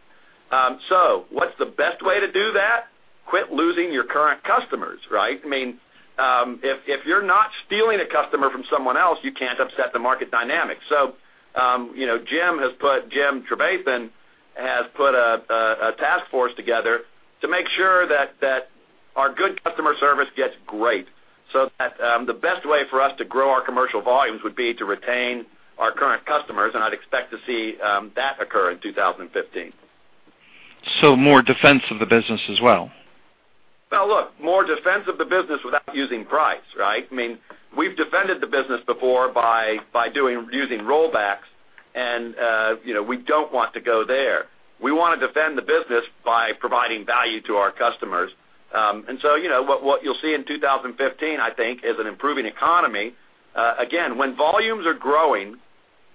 What's the best way to do that? Quit losing your current customers, right? If you're not stealing a customer from someone else, you can't upset the market dynamics. Jim Trevathan has put a task force together to make sure that our good customer service gets great, so that the best way for us to grow our commercial volumes would be to retain our current customers. I'd expect to see that occur in 2015. More defense of the business as well. Look, more defense of the business without using price, right? We've defended the business before by using rollbacks, and we don't want to go there. We want to defend the business by providing value to our customers. What you'll see in 2015, I think, is an improving economy. Again, when volumes are growing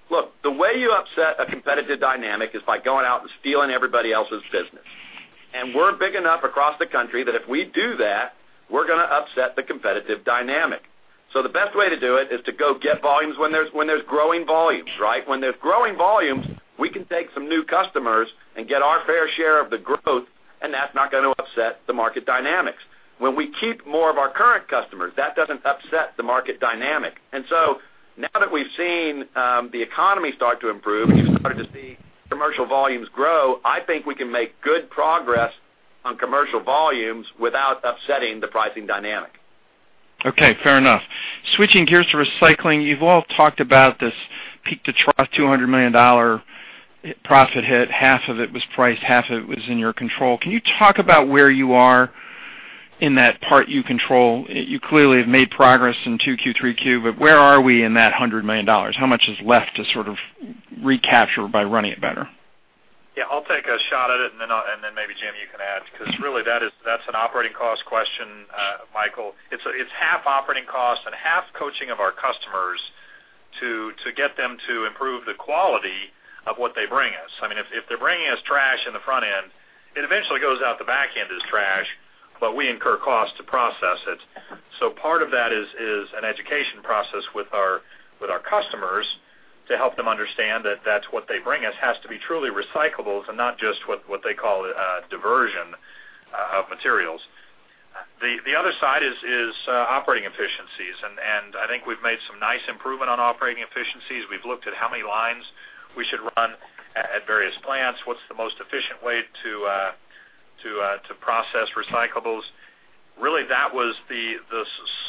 Look, the way you upset a competitive dynamic is by going out and stealing everybody else's business. We're big enough across the country that if we do that, we're going to upset the competitive dynamic. The best way to do it is to go get volumes when there's growing volumes, right? When there's growing volumes, we can take some new customers and get our fair share of the growth. That's not going to upset the market dynamics. When we keep more of our current customers, that doesn't upset the market dynamic. Now that we've seen the economy start to improve and you've started to see commercial volumes grow, I think we can make good progress on commercial volumes without upsetting the pricing dynamic. Okay, fair enough. Switching gears to recycling, you've all talked about this peak to trough $200 million profit hit. Half of it was priced, half of it was in your control. Can you talk about where you are in that part you control? You clearly have made progress in 2Q, 3Q, but where are we in that $100 million? How much is left to sort of recapture by running it better? Yeah, I'll take a shot at it, and then maybe Jim, you can add, because really that's an operating cost question, Michael. It's half operating cost and half coaching of our customers to get them to improve the quality of what they bring us. If they're bringing us trash in the front end, it eventually goes out the back end as trash. We incur cost to process it. Part of that is an education process with our customers to help them understand that what they bring us has to be truly recyclables and not just what they call diversion of materials. The other side is operating efficiencies, and I think we've made some nice improvement on operating efficiencies. We've looked at how many lines we should run at various plants, what's the most efficient way to process recyclables. Really, that was the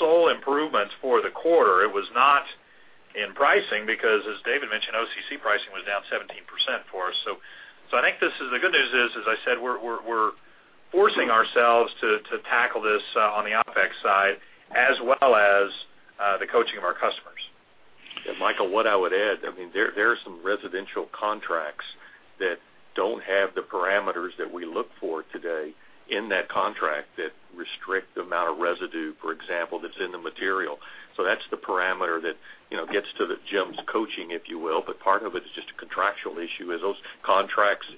sole improvements for the quarter. It was not in pricing because, as David mentioned, OCC pricing was down 17% for us. I think the good news is, as I said, we're forcing ourselves to tackle this on the OpEx side as well as the coaching of our customers. Yeah, Michael, what I would add, there are some residential contracts that don't have the parameters that we look for today in that contract that restrict the amount of residue, for example, that's in the material. That's the parameter that gets to Jim's coaching, if you will. Part of it is just a contractual issue. As those contracts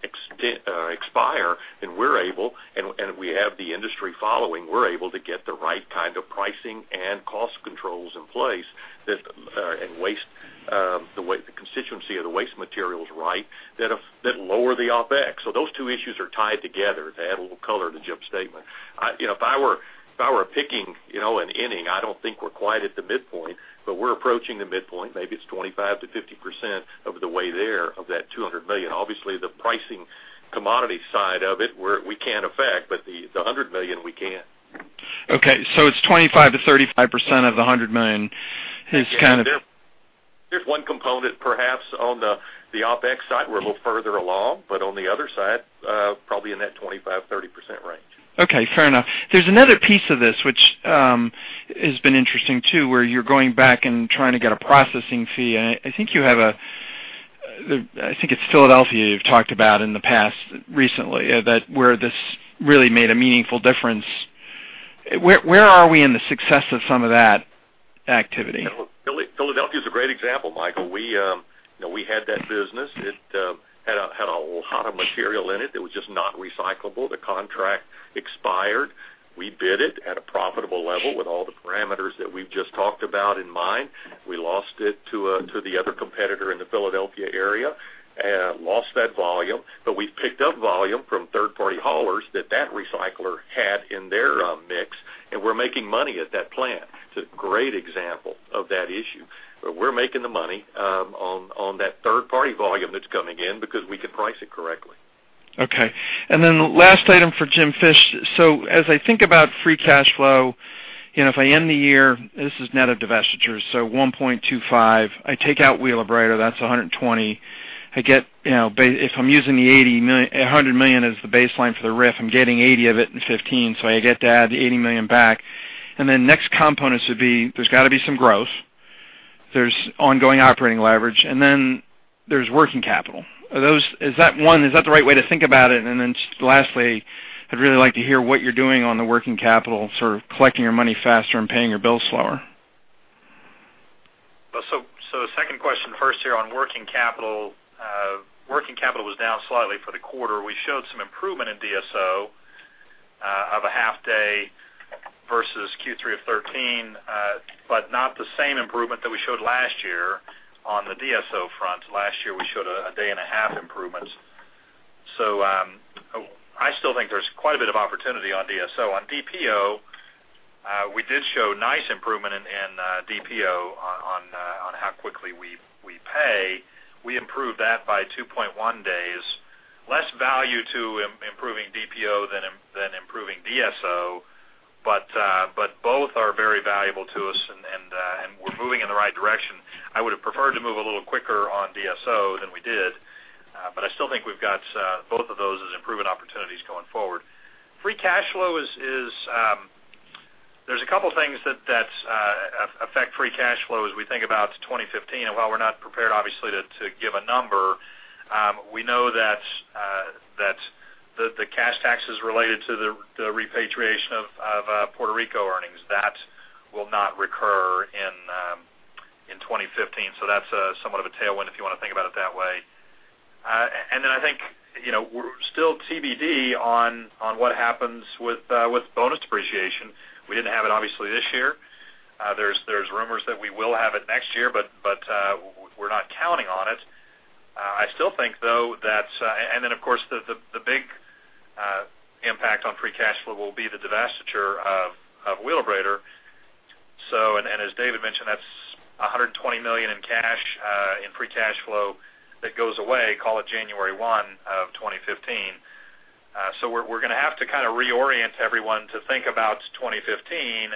expire, and we have the industry following, we're able to get the right kind of pricing and cost controls in place and the constituents of the waste material is right that lower the OpEx. Those two issues are tied together to add a little color to Jim's statement. If I were picking an inning, I don't think we're quite at the midpoint, but we're approaching the midpoint. Maybe it's 25%-50% of the way there of that $200 million. The pricing commodity side of it, we can't affect, the $100 million, we can. It's 25%-35% of the $100 million is kind of- There's one component, perhaps, on the OpEx side, we're a little further along, on the other side, probably in that 25%-30% range. Fair enough. There's another piece of this which has been interesting too, where you're going back and trying to get a processing fee. I think it's Philadelphia you've talked about in the past recently, where this really made a meaningful difference. Where are we in the success of some of that activity? Philadelphia is a great example, Michael. We had that business. It had a lot of material in it that was just not recyclable. The contract expired. We bid it at a profitable level with all the parameters that we've just talked about in mind. We lost it to the other competitor in the Philadelphia area, lost that volume. We've picked up volume from third-party haulers that recycler had in their mix, and we're making money at that plant. It's a great example of that issue, where we're making the money on that third-party volume that's coming in because we can price it correctly. Okay. Last item for Jim Fish. As I think about free cash flow, if I end the year, this is net of divestitures, $1.25 billion. I take out Wheelabrator, that's $120 million. If I'm using the $100 million as the baseline for the RIF, I'm getting $80 million of it in 2015, so I get to add the $80 million back. Next components would be there's got to be some growth, there's ongoing operating leverage, and then there's working capital. One, is that the right way to think about it? Lastly, I'd really like to hear what you're doing on the working capital, sort of collecting your money faster and paying your bills slower. Second question first here on working capital. Working capital was down slightly for the quarter. We showed some improvement in DSO of a half day versus Q3 2013, not the same improvement that we showed last year on the DSO front. Last year, we showed a day and a half improvement. I still think there's quite a bit of opportunity on DSO. On DPO, we did show nice improvement in DPO on how quickly we pay. We improved that by 2.1 days. Less value to improving DPO than improving DSO, both are very valuable to us, and we're moving in the right direction. I would have preferred to move a little quicker on DSO than we did, but I still think we've got both of those as improvement opportunities going forward. Free cash flow, there's a couple things that affect free cash flow as we think about 2015. While we're not prepared, obviously, to give a number, we know that the cash taxes related to the repatriation of Puerto Rico earnings, that will not recur in 2015. That's somewhat of a tailwind, if you want to think about it that way. I think, we're still TBD on what happens with bonus depreciation. We didn't have it, obviously, this year. There's rumors that we will have it next year, but we're not counting on it. Of course, the big impact on free cash flow will be the divestiture of Wheelabrator. As David mentioned, that's $120 million in free cash flow that goes away, call it January 1, 2015. We're going to have to kind of reorient everyone to think about 2015,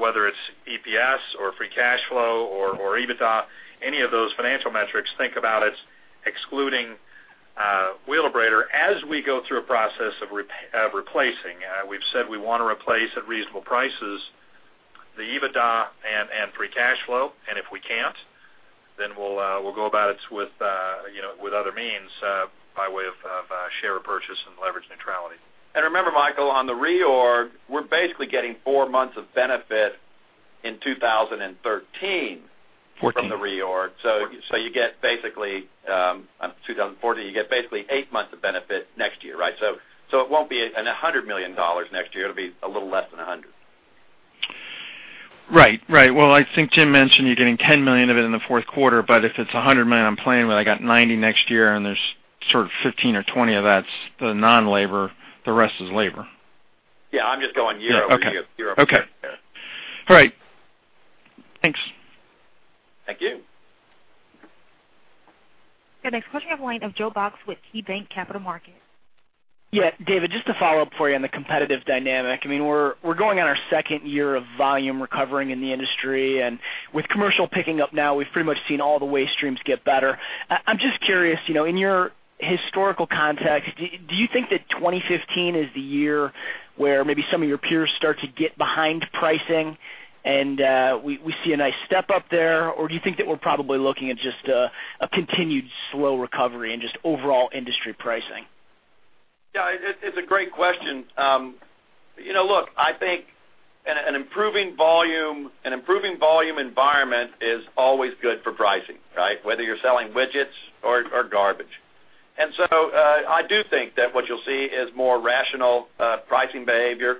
whether it's EPS or free cash flow or EBITDA, any of those financial metrics, think about it excluding Wheelabrator as we go through a process of replacing. We've said we want to replace at reasonable prices the EBITDA and free cash flow, if we can't, then we'll go about it with other means by way of share purchase and leverage neutrality. Remember, Michael, on the reorg, we're basically getting four months of benefit In 2013 '14 From the reorg. You get basically, 2014, you get basically eight months of benefit next year. It won't be $100 million next year, it'll be a little less than 100. Well, I think Jim mentioned you're getting $10 million of it in the fourth quarter. If it's $100 million, I'm planning with, I got 90 next year, and there's sort of 15 or 20 of that's the non-labor, the rest is labor. Yeah, I'm just going year-over-year. Okay. All right, thanks. Thank you. Your next question on the line of Joe Box with KeyBanc Capital Markets. Yeah, David, just to follow up for you on the competitive dynamic. We're going on our second year of volume recovering in the industry. With commercial picking up now, we've pretty much seen all the waste streams get better. I'm just curious, in your historical context, do you think that 2015 is the year where maybe some of your peers start to get behind pricing and we see a nice step up there? Do you think that we're probably looking at just a continued slow recovery and just overall industry pricing? Yeah, it's a great question. Look, I think an improving volume environment is always good for pricing. Whether you're selling widgets or garbage. I do think that what you'll see is more rational pricing behavior.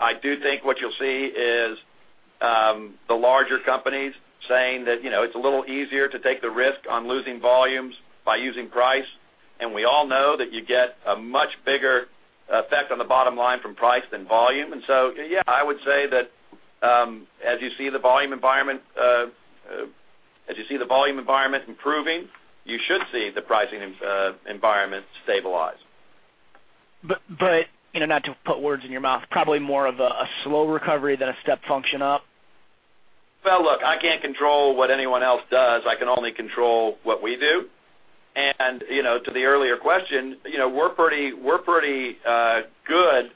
I do think what you'll see is the larger companies saying that it's a little easier to take the risk on losing volumes by using price. We all know that you get a much bigger effect on the bottom line from price than volume. Yeah, I would say that as you see the volume environment improving, you should see the pricing environment stabilize. Not to put words in your mouth, probably more of a slow recovery than a step function up? Look, I can't control what anyone else does. I can only control what we do. To the earlier question, we're pretty good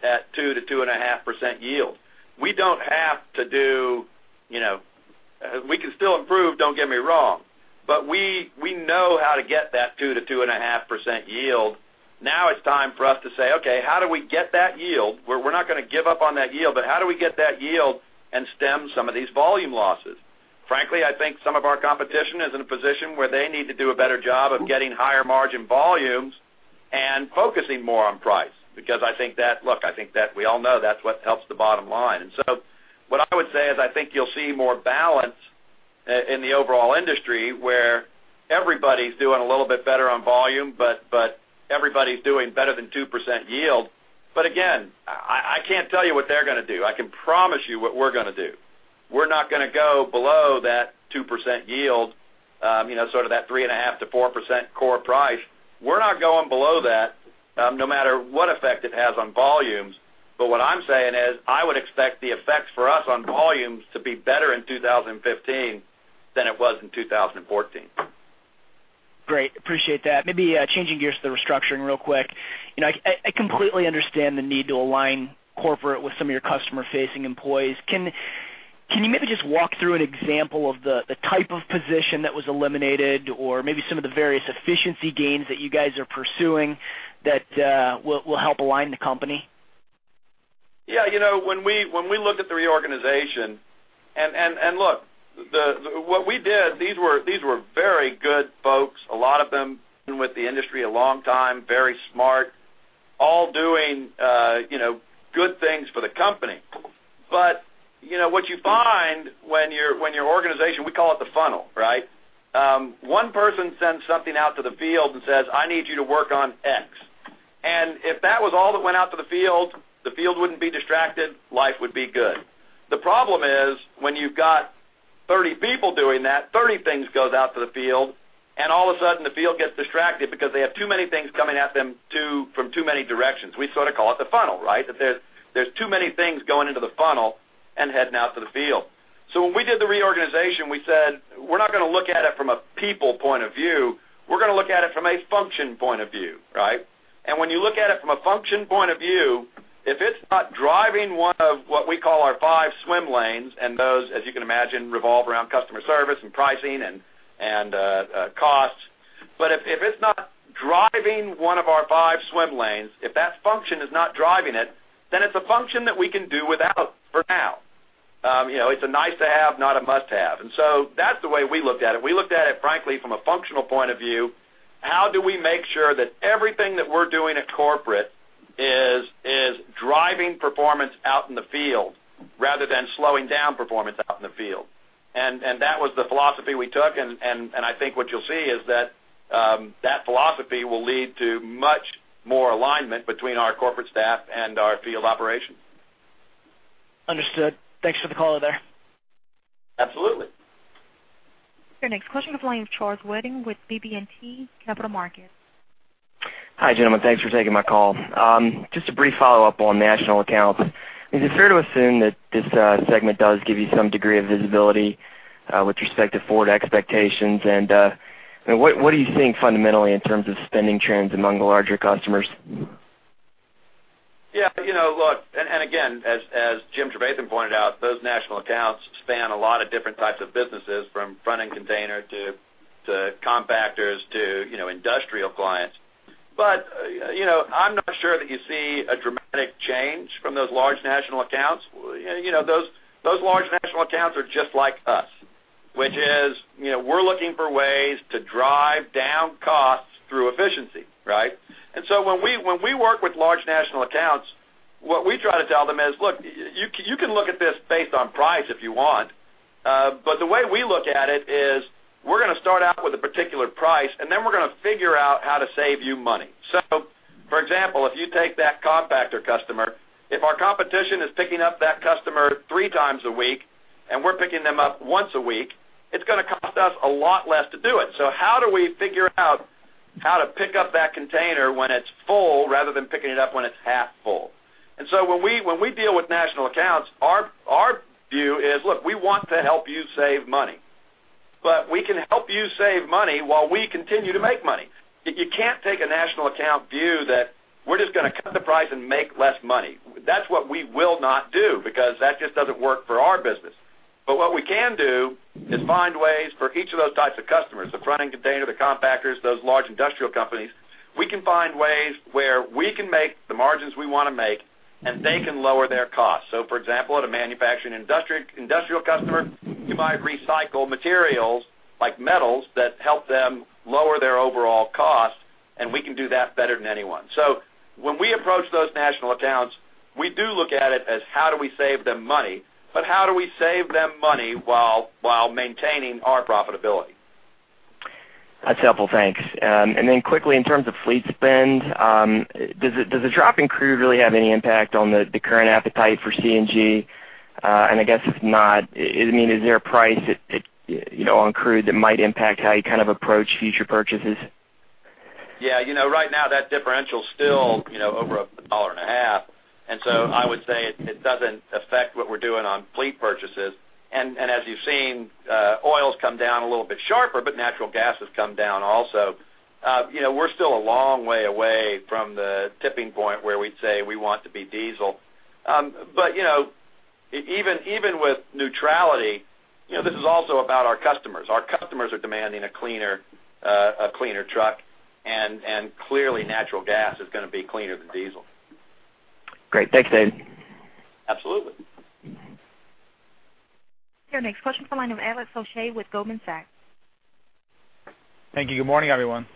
at 2%-2.5% yield. We can still improve, don't get me wrong. We know how to get that 2%-2.5% yield. Now it's time for us to say, "Okay, how do we get that yield?" We're not going to give up on that yield, but how do we get that yield and stem some of these volume losses? Frankly, I think some of our competition is in a position where they need to do a better job of getting higher margin volumes and focusing more on price, because I think that we all know that's what helps the bottom line. What I would say is I think you'll see more balance in the overall industry, where everybody's doing a little bit better on volume, but everybody's doing better than 2% yield. Again, I can't tell you what they're going to do. I can promise you what we're going to do. We're not going to go below that 2% yield, sort of that 3.5%-4% core price. We're not going below that no matter what effect it has on volumes. What I'm saying is, I would expect the effects for us on volumes to be better in 2015 than it was in 2014. Great. Appreciate that. Maybe changing gears to the restructuring real quick. I completely understand the need to align corporate with some of your customer-facing employees. Can you maybe just walk through an example of the type of position that was eliminated, or maybe some of the various efficiency gains that you guys are pursuing that will help align the company? Yeah. When we look at the reorganization look, what we did, these were very good folks, a lot of them with the industry a long time, very smart, all doing good things for the company. What you find when your organization, we call it the funnel. One person sends something out to the field and says, "I need you to work on X." If that was all that went out to the field, the field wouldn't be distracted, life would be good. The problem is, when you've got 30 people doing that, 30 things goes out to the field, all of a sudden the field gets distracted because they have too many things coming at them from too many directions. We call it the funnel. That there's too many things going into the funnel and heading out to the field. When we did the reorganization, we said, "We're not going to look at it from a people point of view. We're going to look at it from a function point of view." When you look at it from a function point of view, if it's not driving one of what we call our five swim lanes, and those, as you can imagine, revolve around customer service and pricing and costs. If it's not driving one of our five swim lanes, if that function is not driving it, then it's a function that we can do without for now. It's a nice to have, not a must-have. That's the way we looked at it. We looked at it, frankly, from a functional point of view. How do we make sure that everything that we're doing at corporate is driving performance out in the field rather than slowing down performance out in the field? That was the philosophy we took, and I think what you'll see is that philosophy will lead to much more alignment between our corporate staff and our field operations. Understood. Thanks for the color there. Absolutely. Your next question on the line of Charles Redding with BB&T Capital Markets. Hi, gentlemen. Thanks for taking my call. Just a brief follow-up on national accounts. Is it fair to assume that this segment does give you some degree of visibility with respect to forward expectations, and what are you seeing fundamentally in terms of spending trends among the larger customers? Yeah, look, again, as Jim Trevathan pointed out, those national accounts span a lot of different types of businesses, from front-end container to compactors to industrial clients. I'm not sure that you see a dramatic change from those large national accounts. Those large national accounts are just like us, which is, we're looking for ways to drive down costs through efficiency. Right? When we work with large national accounts, what we try to tell them is, "Look, you can look at this based on price if you want, but the way we look at it is we're going to start out with a particular price, and then we're going to figure out how to save you money." For example, if you take that compactor customer, if our competition is picking up that customer three times a week and we're picking them up once a week, it's going to cost us a lot less to do it. How do we figure out how to pick up that container when it's full rather than picking it up when it's half full? When we deal with national accounts, our view is, look, we want to help you save money, but we can help you save money while we continue to make money. You can't take a national account view that we're just going to cut the price and make less money. That's what we will not do because that just doesn't work for our business. What we can do is find ways for each of those types of customers, the front-end container, the compactors, those large industrial companies. We can find ways where we can make the margins we want to make, and they can lower their costs. For example, at a manufacturing industrial customer, you might recycle materials like metals that help them lower their overall cost, and we can do that better than anyone. When we approach those national accounts, we do look at it as how do we save them money, but how do we save them money while maintaining our profitability? That's helpful. Thanks. Quickly, in terms of fleet spend, does the drop in crude really have any impact on the current appetite for CNG? I guess if not, is there a price on crude that might impact how you kind of approach future purchases? Right now that differential is still over $1.50, and so I would say it doesn't affect what we're doing on fleet purchases. As you've seen, oil's come down a little bit sharper, but natural gas has come down also. We're still a long way away from the tipping point where we'd say we want to be diesel. Even with neutrality, this is also about our customers. Our customers are demanding a cleaner truck, and clearly natural gas is going to be cleaner than diesel. Great. Thanks, Dave. Absolutely. Your next question comes from the line of Alex Sakkestad with Goldman Sachs. Thank you. Good morning, everyone.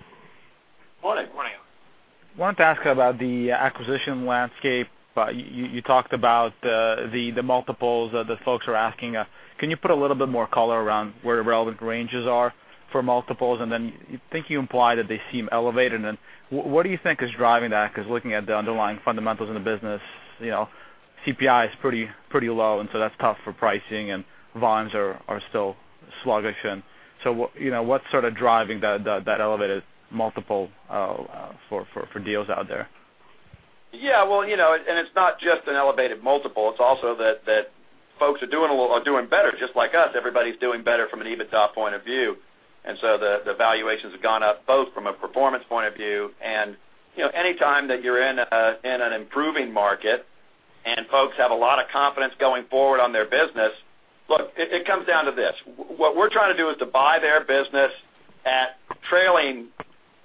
Morning. I wanted to ask about the acquisition landscape. You talked about the multiples, the folks are asking, can you put a little bit more color around where the relevant ranges are for multiples? Then I think you implied that they seem elevated. What do you think is driving that? Because looking at the underlying fundamentals in the business, CPI is pretty low, and so that's tough for pricing and volumes are still sluggish. What's sort of driving that elevated multiple for deals out there? Yeah. It's not just an elevated multiple, it's also that folks are doing better, just like us. Everybody's doing better from an EBITDA point of view. The valuations have gone up both from a performance point of view and any time that you're in an improving market and folks have a lot of confidence going forward on their business. Look, it comes down to this. What we're trying to do is to buy their business at trailing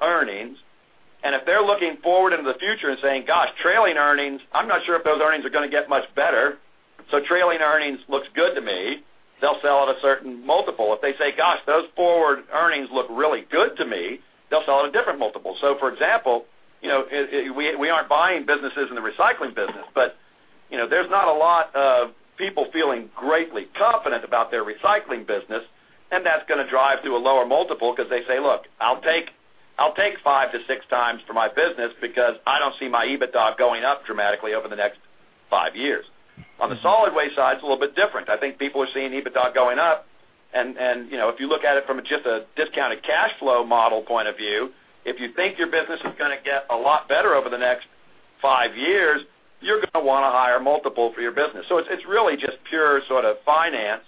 earnings. If they're looking forward into the future and saying, "Gosh, trailing earnings, I'm not sure if those earnings are going to get much better. Trailing earnings looks good to me," they'll sell at a certain multiple. If they say, "Gosh, those forward earnings look really good to me," they'll sell at a different multiple. For example, we aren't buying businesses in the recycling business, but there's not a lot of people feeling greatly confident about their recycling business, and that's going to drive to a lower multiple because they say, "Look, I'll take five to six times for my business because I don't see my EBITDA going up dramatically over the next five years." On the solid waste side, it's a little bit different. I think people are seeing EBITDA going up, and if you look at it from just a discounted cash flow model point of view, if you think your business is going to get a lot better over the next five years, you're going to want a higher multiple for your business. It's really just pure sort of finance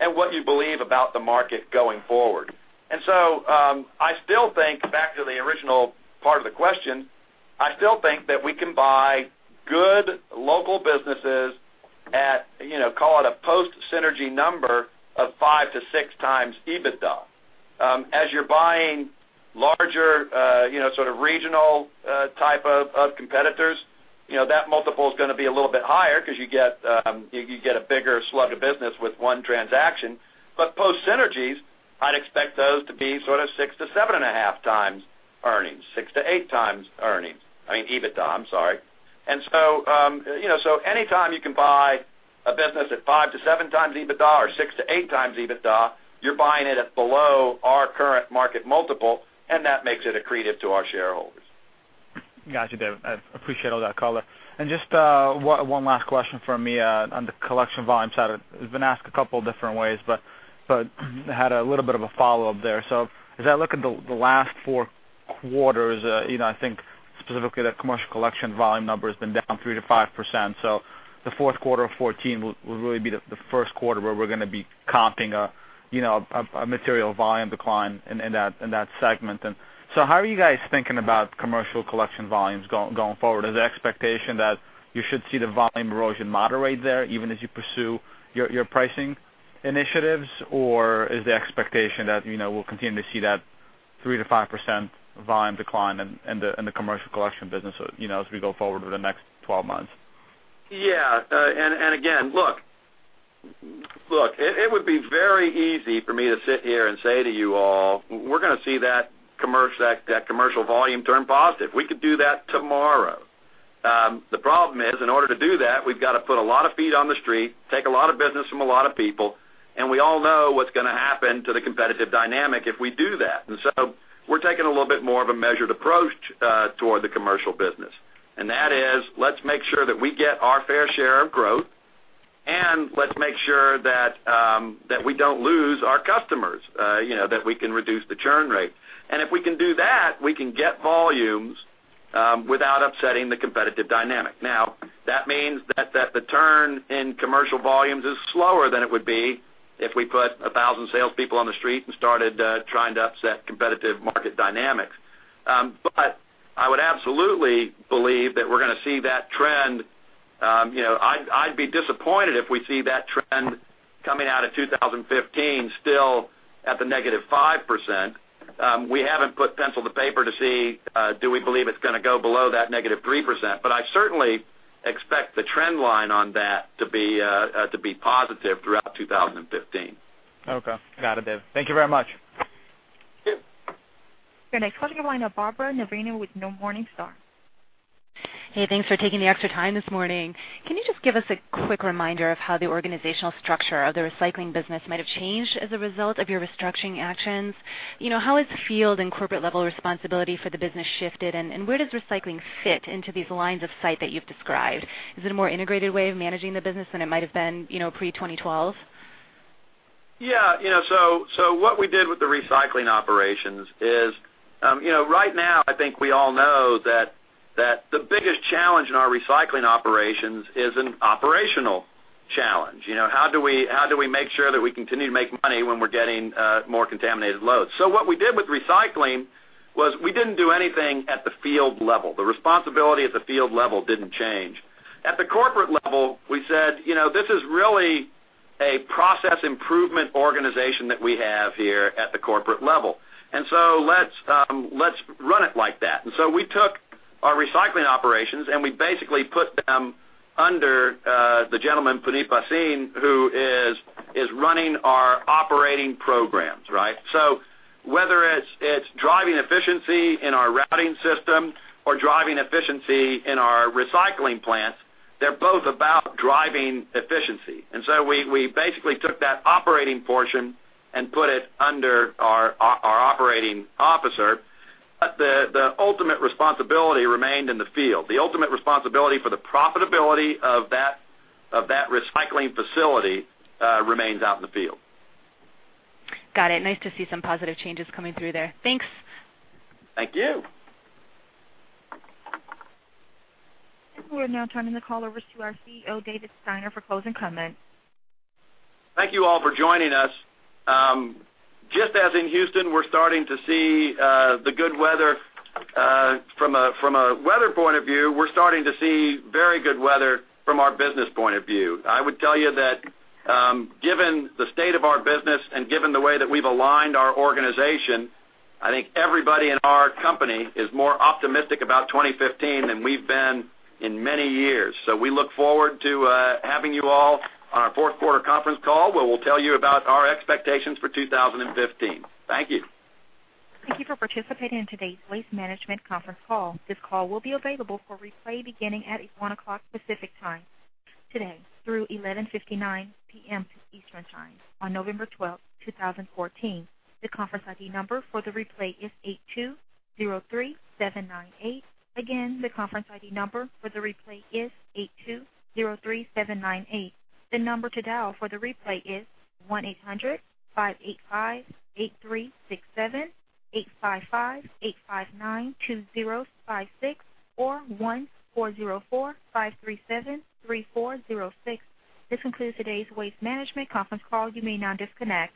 and what you believe about the market going forward. I still think back to the original part of the question, I still think that we can buy good local businesses at call it a post synergy number of five to six times EBITDA. As you're buying larger sort of regional type of competitors, that multiple is going to be a little bit higher because you get a bigger slug of business with one transaction. Post synergies, I'd expect those to be sort of six to seven and a half times earnings, six to eight times earnings, I mean EBITDA, I'm sorry. Anytime you can buy a business at five to seven times EBITDA or six to eight times EBITDA, you're buying it at below our current market multiple, and that makes it accretive to our shareholders. Got you, Dave. I appreciate all that color. Just one last question from me on the collection volume side. It's been asked a couple different ways, but had a little bit of a follow-up there. As I look at the last four quarters, I think specifically the commercial collection volume number has been down 3%-5%. The fourth quarter of 2014 will really be the first quarter where we're going to be comping a material volume decline in that segment. How are you guys thinking about commercial collection volumes going forward? Is the expectation that you should see the volume erosion moderate there even as you pursue your pricing initiatives, or is the expectation that we'll continue to see that 3%-5% volume decline in the commercial collection business as we go forward over the next 12 months? Yeah. Again, look, it would be very easy for me to sit here and say to you all, we're going to see that commercial volume turn positive. We could do that tomorrow. The problem is, in order to do that, we've got to put a lot of feet on the street, take a lot of business from a lot of people, and we all know what's going to happen to the competitive dynamic if we do that. We're taking a little bit more of a measured approach toward the commercial business. That is, let's make sure that we get our fair share of growth, and let's make sure that we don't lose our customers, that we can reduce the churn rate. If we can do that, we can get volumes without upsetting the competitive dynamic. That means that the turn in commercial volumes is slower than it would be if we put 1,000 salespeople on the street and started trying to upset competitive market dynamics. I would absolutely believe that we're going to see that trend. I'd be disappointed if we see that trend coming out of 2015 still at the negative 5%. We haven't put pencil to paper to see, do we believe it's going to go below that negative 3%, but I certainly expect the trend line on that to be positive throughout 2015. Okay. Got it, Dave. Thank you very much. Thank you. Your next question in line, Barbara Noverini with Morningstar. Hey, thanks for taking the extra time this morning. Can you just give us a quick reminder of how the organizational structure of the recycling business might have changed as a result of your restructuring actions? How has field and corporate level responsibility for the business shifted, and where does recycling fit into these lines of sight that you've described? Is it a more integrated way of managing the business than it might have been pre 2012? Yeah. What we did with the recycling operations is right now, I think we all know that the biggest challenge in our recycling operations is an operational challenge. How do we make sure that we continue to make money when we're getting more contaminated loads? What we did with recycling was we didn't do anything at the field level. The responsibility at the field level didn't change. At the corporate level, we said, "This is really a process improvement organization that we have here at the corporate level, let's run it like that." We took our recycling operations, and we basically put them under the gentleman, Puneet Bhasin, who is running our operating programs. Right? Whether it's driving efficiency in our routing system or driving efficiency in our recycling plants, they're both about driving efficiency. We basically took that operating portion and put it under our operating officer. The ultimate responsibility remained in the field. The ultimate responsibility for the profitability of that recycling facility remains out in the field. Got it. Nice to see some positive changes coming through there. Thanks. Thank you. We're now turning the call over to our CEO, David Steiner, for closing comments. Thank you all for joining us. Just as in Houston, we're starting to see the good weather from a weather point of view, we're starting to see very good weather from our business point of view. I would tell you that given the state of our business and given the way that we've aligned our organization, I think everybody in our company is more optimistic about 2015 than we've been in many years. We look forward to having you all on our fourth quarter conference call, where we'll tell you about our expectations for 2015. Thank you. Thank you for participating in today's Waste Management conference call. This call will be available for replay beginning at 1:00 P.M. Pacific Time today through 11:59 P.M. Eastern Time on November 12th, 2014. The conference ID number for the replay is 8203798. Again, the conference ID number for the replay is 8203798. The number to dial for the replay is 1-800-585-8367, 855-859-2056, or 1-404-537-3406. This concludes today's Waste Management conference call. You may now disconnect.